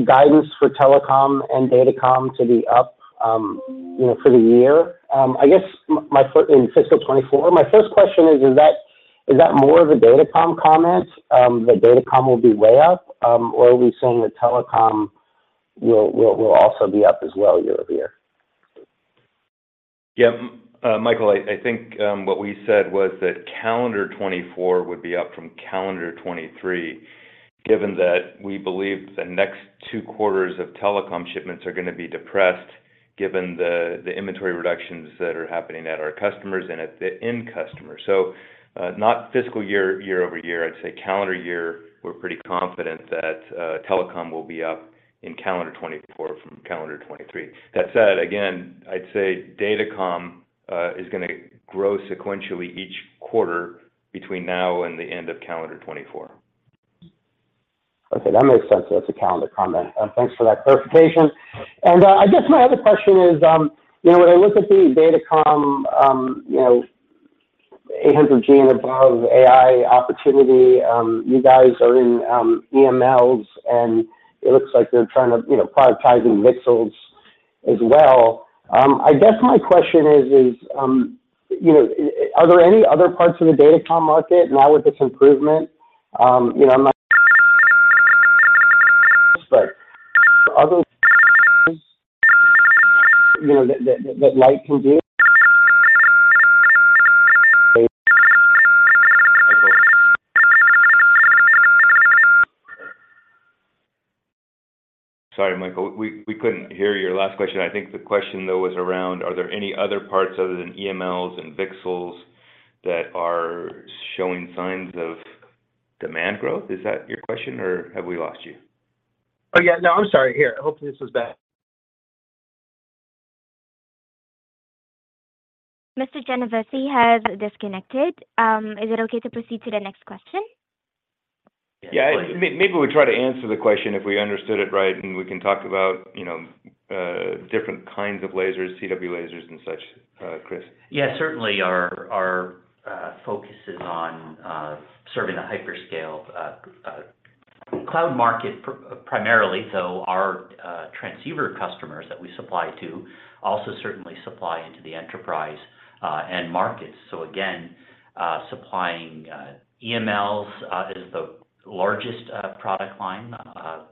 guidance for telecom and datacom to be up, you know, for the year. In fiscal 2024, my first question is, is that, is that more of a datacom comment that datacom will be way up, or are we saying that telecom will, will, will also be up as well year-over-year? Yeah, Michael, I, I think, what we said was that calendar 2024 would be up from calendar 2023, given that we believe the next two quarters of telecom shipments are going to be depressed, given the, the inventory reductions that are happening at our customers and at the end customers. Not fiscal year, year-over-year, I'd say calendar year, we're pretty confident that telecom will be up in calendar 2024 from calendar 2023. That said, again, I'd say datacom is going to grow sequentially each quarter between now and the end of calendar 2024. Okay, that makes sense. That's a calendar comment. Thanks for that clarification. I guess my other question is, you know, when I look at the datacom, you know, 800G above AI opportunity, you guys are in EMLs, and it looks like they're trying to, you know, prioritize in VCSELs as well. I guess my question is, is, you know, are there any other parts of the datacom market now with this improvement? You know, but are those, you know, that, that, that Lumentum can do? Sorry, Michael, we, we couldn't hear your last question. I think the question, though, was around, are there any other parts other than EMLs and VCSELs that are showing signs of demand growth? Is that your question, or have we lost you? Oh, yeah. No, I'm sorry. Here. Hopefully, this is better. Mr. Genovese has disconnected. Is it okay to proceed to the next question? Yeah, maybe we try to answer the question if we understood it right, and we can talk about, you know, different kinds of lasers, CW lasers, and such. Chris? Yeah, certainly our focus is on serving the hyperscale cloud market, primarily. Our transceiver customers that we supply to also certainly supply into the enterprise and markets. Again, supplying EMLs is the largest product line,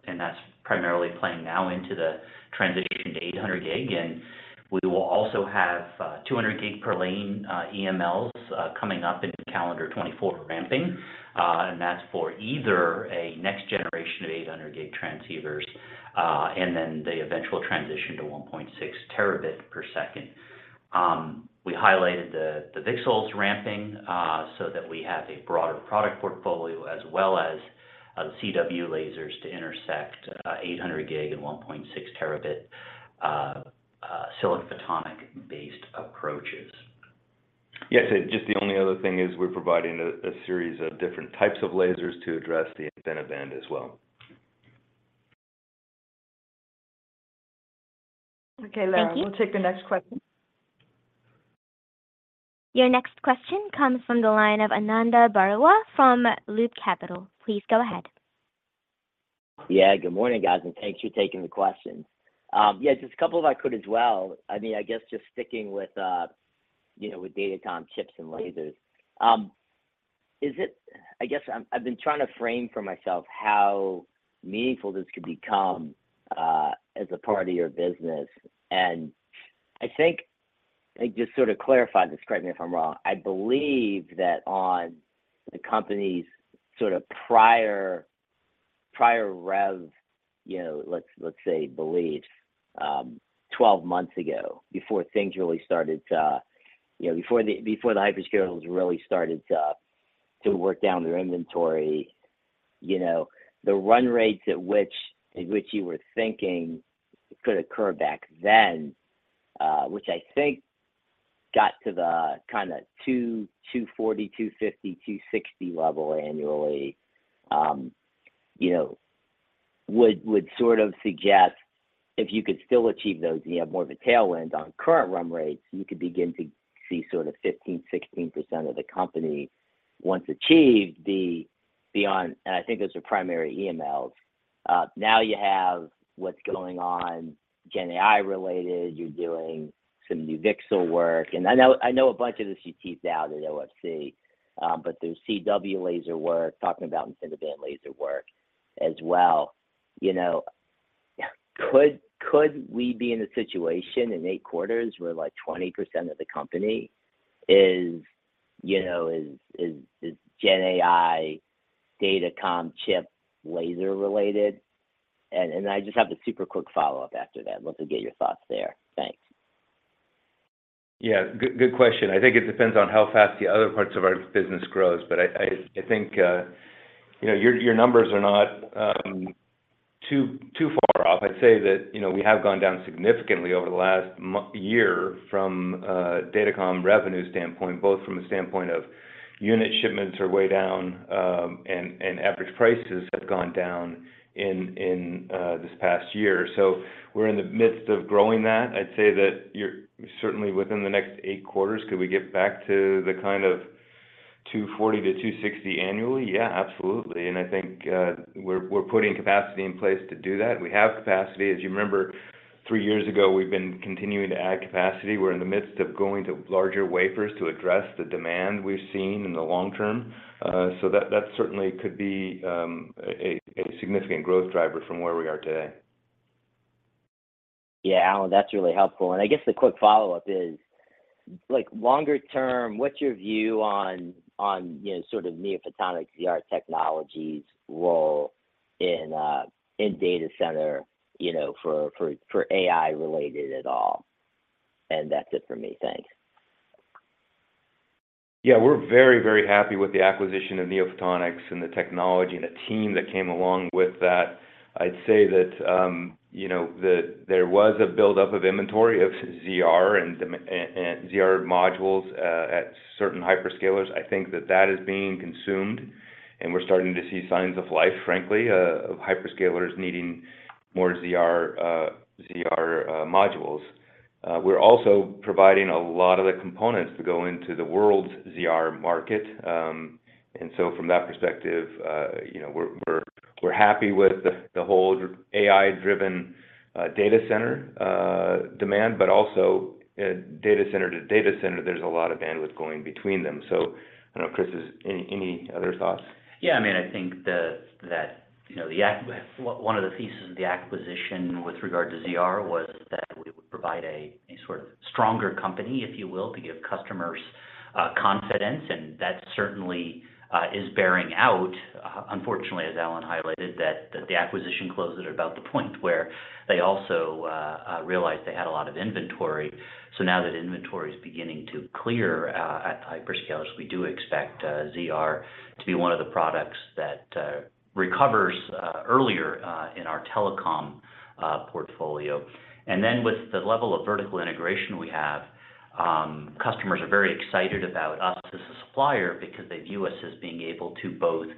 and that's primarily playing now into the transition to 800G. We will also have 200G per lane EMLs coming up in calendar 2024 ramping. That's for either a next generation of 800G transceivers, and then the eventual transition to 1.6 terabit per second. We highlighted the VCSELs ramping so that we have a broader product portfolio, as well as the CW lasers to intersect 800G and 1.6 terabit silicon photonics-based approaches. Yes, just the only other thing is we're providing a, a series of different types of lasers to address the InfiniBand as well. Thank you. Okay, Lara, we'll take the next question. Your next question comes from the line of Ananda Baruah from Loop Capital. Please go ahead. Yeah, good morning, guys, and thanks for taking the question. Yeah, just a couple if I could as well. I mean, I guess just sticking with, you know, with datacom chips and lasers, I've been trying to frame for myself how meaningful this could become as a part of your business, and I think, like, just sort of clarify this, correct me if I'm wrong, I believe that on the company's sort of prior, prior rev, you know, let's, let's say, believe, 12 months ago, before things really started to, you know, before the, before the hyperscalers really started to, to work down their inventory, you know, the run rates at which, at which you were thinking could occur back then, which I think got to the kind of $240 million, $250 million, $260 million level annually, you know, would, would sort of suggest if you could still achieve those, you have more of a tailwind. On current run rates, you could begin to see sort of 15%, 16% of the company once achieved the, the on-- and I think those are primary EMLs. Now you have what's going on, GenAI related, you're doing some new VCSEL work, and I know, I know a bunch of this you teased out at OFC, but there's CW laser work, talking about integrated laser work as well. You know, could, could we be in a situation in eight quarters where, like, 20% of the company is, you know, is, is, is GenAI, datacom, chip, laser related? I just have a super quick follow-up after that. Love to get your thoughts there. Thanks. Yeah, good, good question. I think it depends on how fast the other parts of our business grows, but I, I, I think, you know, your, your numbers are not too, too far off. I'd say that, you know, we have gone down significantly over the last year from a datacom revenue standpoint, both from the standpoint of unit shipments are way down, and, and average prices have gone down in, in this past year. We're in the midst of growing that. I'd say that you're certainly within the next eight quarters, could we get back to the kind of $240 million-$260 million annually? Yeah, absolutely, and I think we're, we're putting capacity in place to do that. We have capacity. As you remember, three years ago, we've been continuing to add capacity. We're in the midst of going to larger wafers to address the demand we've seen in the long term. That, that certainly could be, a, a significant growth driver from where we are today. Yeah, Alan, that's really helpful. I guess the quick follow-up is, like, longer term, what's your view on, on, you know, sort of NeoPhotonics ZR technologies role in data center, you know, for, for, for AI related at all? That's it for me. Thanks. Yeah, we're very, very happy with the acquisition of NeoPhotonics and the technology and the team that came along with that. I'd say that, you know, there was a buildup of inventory of ZR and the, and, and ZR modules at certain hyperscalers. I think that that is being consumed, and we're starting to see signs of life, frankly, of hyperscalers needing more ZR, ZR modules. We're also providing a lot of the components to go into the world's ZR market. From that perspective, you know, we're, we're, we're happy with the, the whole AI-driven data center demand, but also data center to data center, there's a lot of bandwidth going between them. I don't know, Chris, is any, any other thoughts? Yeah, I mean, I think the, that, you know, one of the pieces of the acquisition with regard to ZR was that it would provide a, a sort of stronger company, if you will, to give customers confidence, and that certainly is bearing out. Unfortunately, as Alan highlighted, that the acquisition closed at about the point where they also realized they had a lot of inventory. Now that inventory is beginning to clear at hyperscalers, we do expect ZR to be one of the products that recovers earlier in our telecom portfolio. With the level of vertical integration we have, customers are very excited about us as a supplier because they view us as being able to both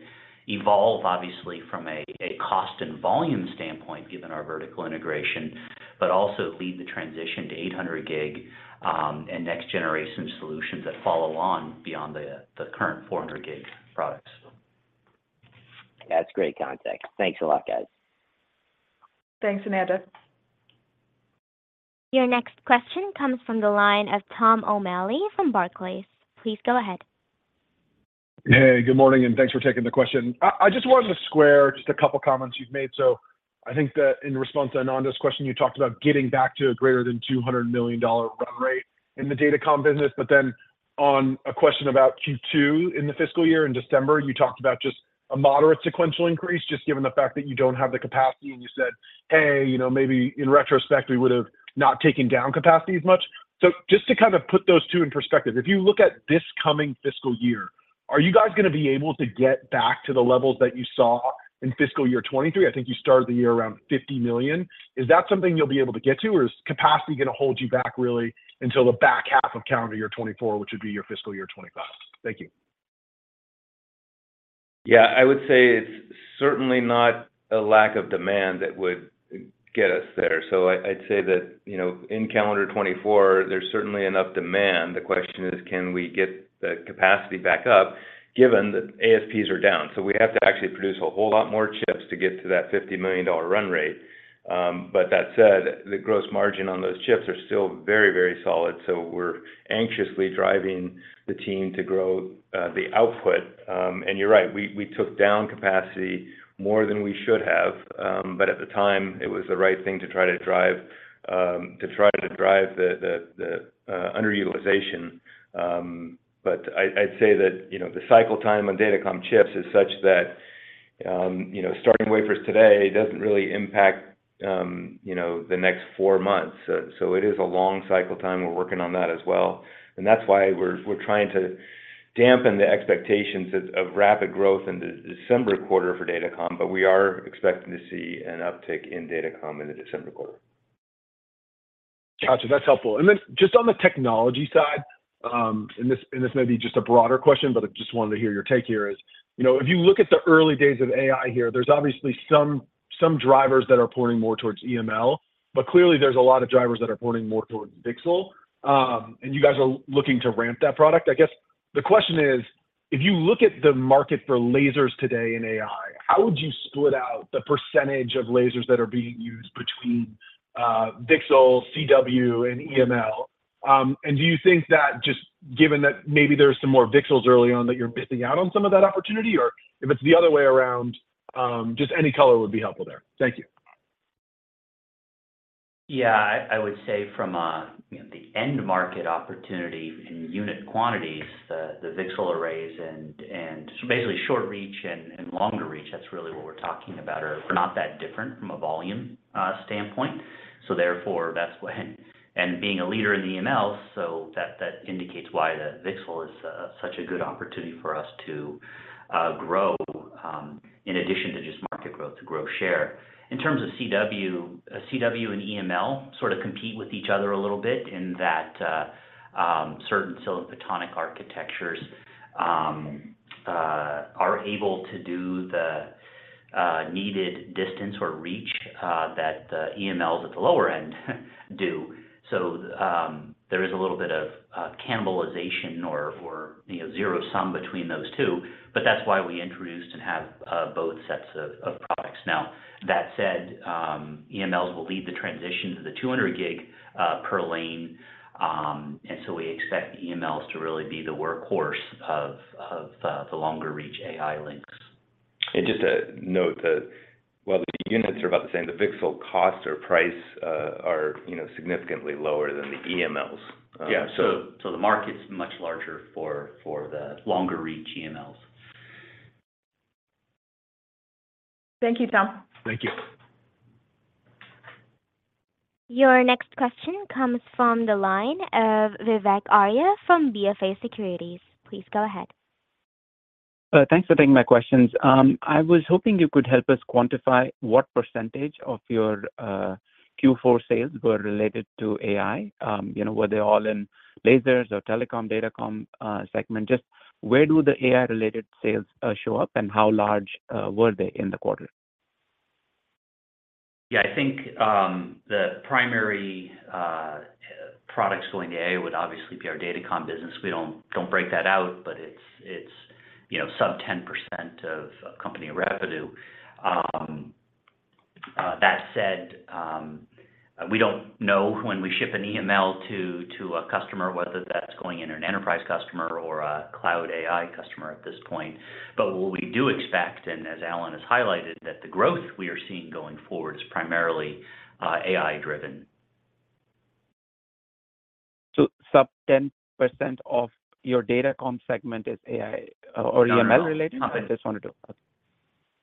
evolve obviously from a, a cost and volume standpoint, given our vertical integration, but also lead the transition to 800G, and next generation solutions that follow on beyond the, the current 400G products. That's great context. Thanks a lot, guys. Thanks, Ananda. Your next question comes from the line of Tom O'Malley from Barclays. Please go ahead. Hey, good morning, and thanks for taking the question. I just wanted to square just a couple comments you've made. I think that in response to Nanda's question, you talked about getting back to a greater than $200 million run rate in the datacom business. Then on a question about Q2 in the fiscal year in December, you talked about just a moderate sequential increase, just given the fact that you don't have the capacity, and you said, "Hey, you know, maybe in retrospect, we would have not taken down capacity as much." Just to kind of put those two in perspective, if you look at this coming fiscal year, are you guys going to be able to get back to the levels that you saw in fiscal year 2023? I think you started the year around $50 million. Is that something you'll be able to get to, or is capacity going to hold you back really until the back half of calendar year 2024, which would be your fiscal year 2025? Thank you. Yeah, I would say it's certainly not a lack of demand that would get us there. I, I'd say that, you know, in calendar 2024, there's certainly enough demand. The question is, can we get the capacity back up, given that ASPs are down? We have to actually produce a whole lot more chips to get to that $50 million run rate. But that said, the gross margin on those chips are still very, very solid, so we're anxiously driving the team to grow the output. And you're right, we, we took down capacity more than we should have, but at the time, it was the right thing to try to drive to try to drive the, the, the underutilization. I, I'd say that, you know, the cycle time on datacom chips is such that, you know, starting wafers today doesn't really impact, you know, the next 4 months. It is a long cycle time. We're working on that as well. That's why we're, we're trying to dampen the expectations of, of rapid growth in the December quarter for datacom, but we are expecting to see an uptick in datacom in the December quarter. Got you. That's helpful. Then just on the technology side, and this, and this may be just a broader question, but I just wanted to hear your take here is, you know, if you look at the early days of AI here, there's obviously some, some drivers that are pointing more towards EML, but clearly, there's a lot of drivers that are pointing more towards VCSEL. You guys are looking to ramp that product. I guess the question is, if you look at the market for lasers today in AI, how would you split out the percentage of lasers that are being used between VCSEL, CW, and EML? Do you think that just given that maybe there are some more VCSELs early on, that you're missing out on some of that opportunity? If it's the other way around, just any color would be helpful there. Thank you. Yeah. I, I would say from a, you know, the end market opportunity in unit quantities, the VCSEL arrays and, and basically short reach and, and longer reach, that's really what we're talking about, are not that different from a volume standpoint. Therefore, and being a leader in the EML, that indicates why the VCSEL is such a good opportunity for us to grow, in addition to just market growth, to grow share. In terms of CW, CW and EML sort of compete with each other a little bit in that certain silicon photonic architectures are able to do the needed distance or reach that the EMLs at the lower end do. There is a little bit of cannibalization or, or, you know, zero sum between those two, but that's why we introduced and have both sets of, of products now. That said, EMLs will lead the transition to the 200 gig per lane, and so we expect the EMLs to really be the workhorse of, of, the longer reach AI links. Just to note that while the units are about the same, the VCSEL cost or price, are, you know, significantly lower than the EMLs. Yeah. So the market is much larger for, for the longer reach EMLs. Thank you, Tom. Thank you. Your next question comes from the line of Vivek Arya from BofA Securities. Please go ahead. Thanks for taking my questions. I was hoping you could help us quantify what percentage of your Q4 sales were related to AI. You know, were they all in lasers or telecom, datacom segment? Just where do the AI-related sales show up, and how large were they in the quarter? Yeah, I think the primary products going to AI would obviously be our datacom business. We don't break that out, but it's, it's, you know, sub 10% of company revenue. That said, we don't know when we ship an EML to a customer, whether that's going in an enterprise customer or a cloud AI customer at this point. What we do expect, and as Alan has highlighted, that the growth we are seeing going forward is primarily AI driven. Sub 10% of your datacom segment is AI or EML related? No. I just wanted to-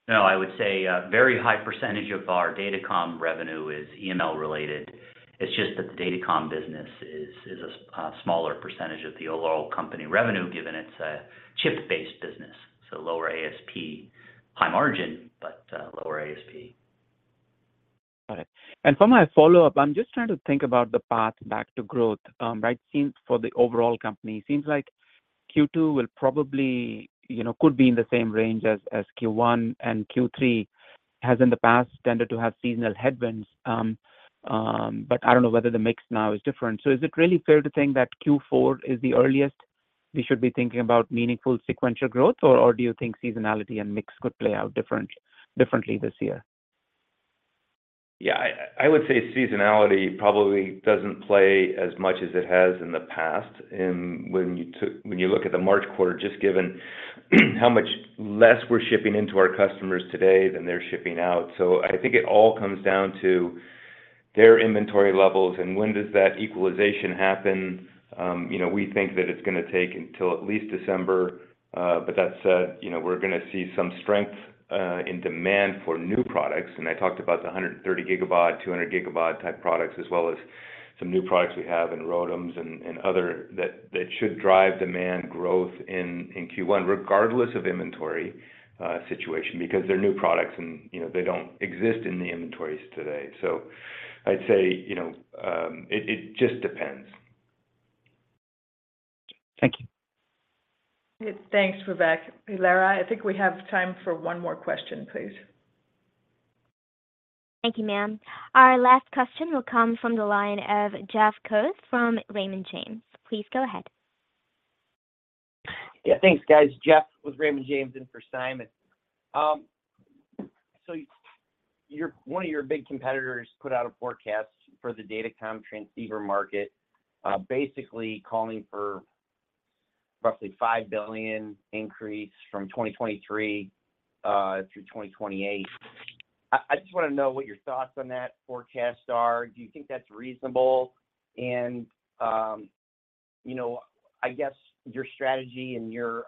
I would say a very high % of our datacom revenue is EML related. It's just that the datacom business is a smaller % of the overall company revenue, given it's a chip-based business. Lower ASP, high margin, but lower ASP. All right. For my follow-up, I'm just trying to think about the path back to growth, right? Seems for the overall company, seems like Q2 will probably, you know, could be in the same range as, as Q1, and Q3 has in the past tended to have seasonal headwinds. But I don't know whether the mix now is different. Is it really fair to think that Q4 is the earliest we should be thinking about meaningful sequential growth? Do you think seasonality and mix could play out differently this year? Yeah, I, I would say seasonality probably doesn't play as much as it has in the past. When you look at the March quarter, just given how much less we're shipping into our customers today than they're shipping out. I think it all comes down to their inventory levels, and when does that equalization happen? You know, we think that it's gonna take until at least December, that said, you know, we're gonna see some strength in demand for new products. I talked about the 130 Gbaud, 200 Gbaud type products, as well as some new products we have in ROADMs and, and other, that, that should drive demand growth in, in Q1, regardless of inventory situation, because they're new products and, you know, they don't exist in the inventories today. I'd say, you know, it, it just depends. Thank you. Thanks, Vivek. Lara, I think we have time for one more question, please. Thank you, ma'am. Our last question will come from the line of Jeff Koche from Raymond James. Please go ahead. Yeah, thanks, guys. Jeff with Raymond James in for Simon. one of your big competitors put out a forecast for the datacom transceiver market, basically calling for roughly $5 billion increase from 2023 through 2028. I just wanna know what your thoughts on that forecast are. Do you think that's reasonable? And, you know, I guess your strategy and your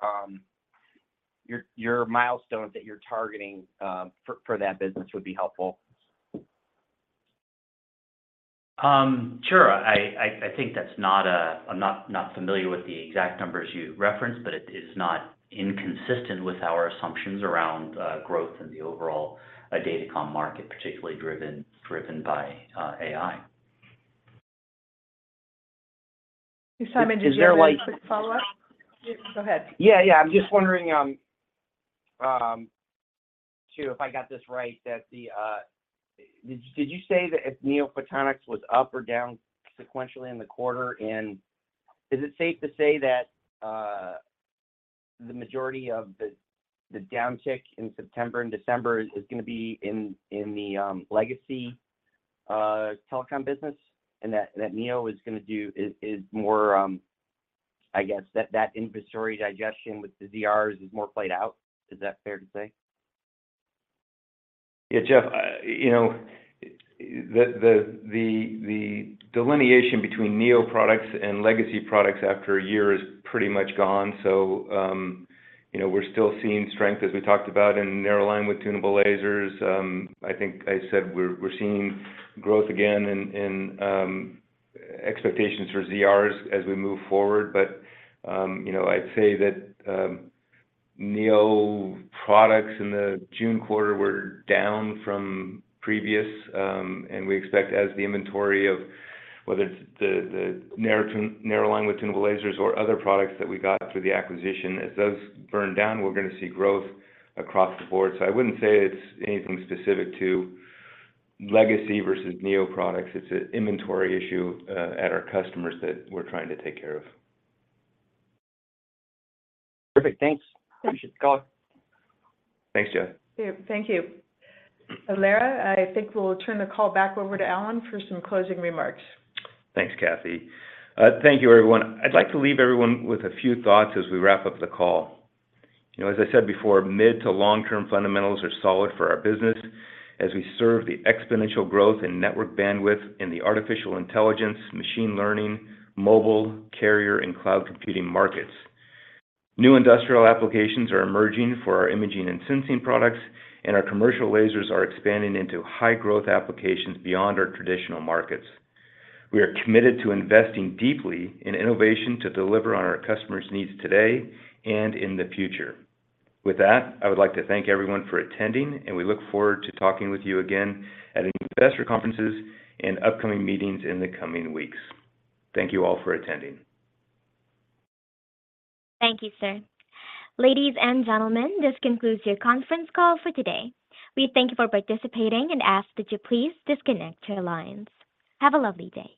milestones that you're targeting for that business would be helpful. Sure. I think that's not I'm not familiar with the exact numbers you referenced, but it is not inconsistent with our assumptions around growth in the overall datacom market, particularly driven, driven by AI. Simon, did you have a quick follow-up? Go ahead. Yeah, yeah. I'm just wondering, too, if I got this right, that the... Did, did you say that if NeoPhotonics was up or down sequentially in the quarter? Is it safe to say that the majority of the downtick in September and December is gonna be in the legacy telecom business, and that NeoPhotonics is gonna do, is more, I guess, that inventory digestion with the ZRs is more played out. Is that fair to say? Yeah, Jeff, you know, the delineation between Neo products and legacy products after a year is pretty much gone. You know, we're still seeing strength, as we talked about, in narrow linewidth tunable lasers. I think I said we're, we're seeing growth again in expectations for ZRs as we move forward. You know, I'd say that Neo products in the June quarter were down from previous. And we expect as the inventory of whether it's the narrow linewidth tunable lasers or other products that we got through the acquisition, as those burn down, we're gonna see growth across the board. I wouldn't say it's anything specific to legacy versus Neo products. It's an inventory issue at our customers that we're trying to take care of. Perfect. Thanks. Appreciate the call. Thanks, Jeff. Yeah. Thank you. Lara, I think we'll turn the call back over to Alan for some closing remarks. Thanks, Kathy. Thank you, everyone. I'd like to leave everyone with a few thoughts as we wrap up the call. You know, as I said before, mid to long-term fundamentals are solid for our business as we serve the exponential growth in network bandwidth in the artificial intelligence, machine learning, mobile, carrier, and cloud computing markets. New industrial applications are emerging for our imaging and sensing products, and our commercial lasers are expanding into high-growth applications beyond our traditional markets. We are committed to investing deeply in innovation to deliver on our customers' needs today and in the future. With that, I would like to thank everyone for attending, and we look forward to talking with you again at investor conferences and upcoming meetings in the coming weeks. Thank you all for attending. Thank you, sir. Ladies and gentlemen, this concludes your conference call for today. We thank you for participating and ask that you please disconnect your lines. Have a lovely day.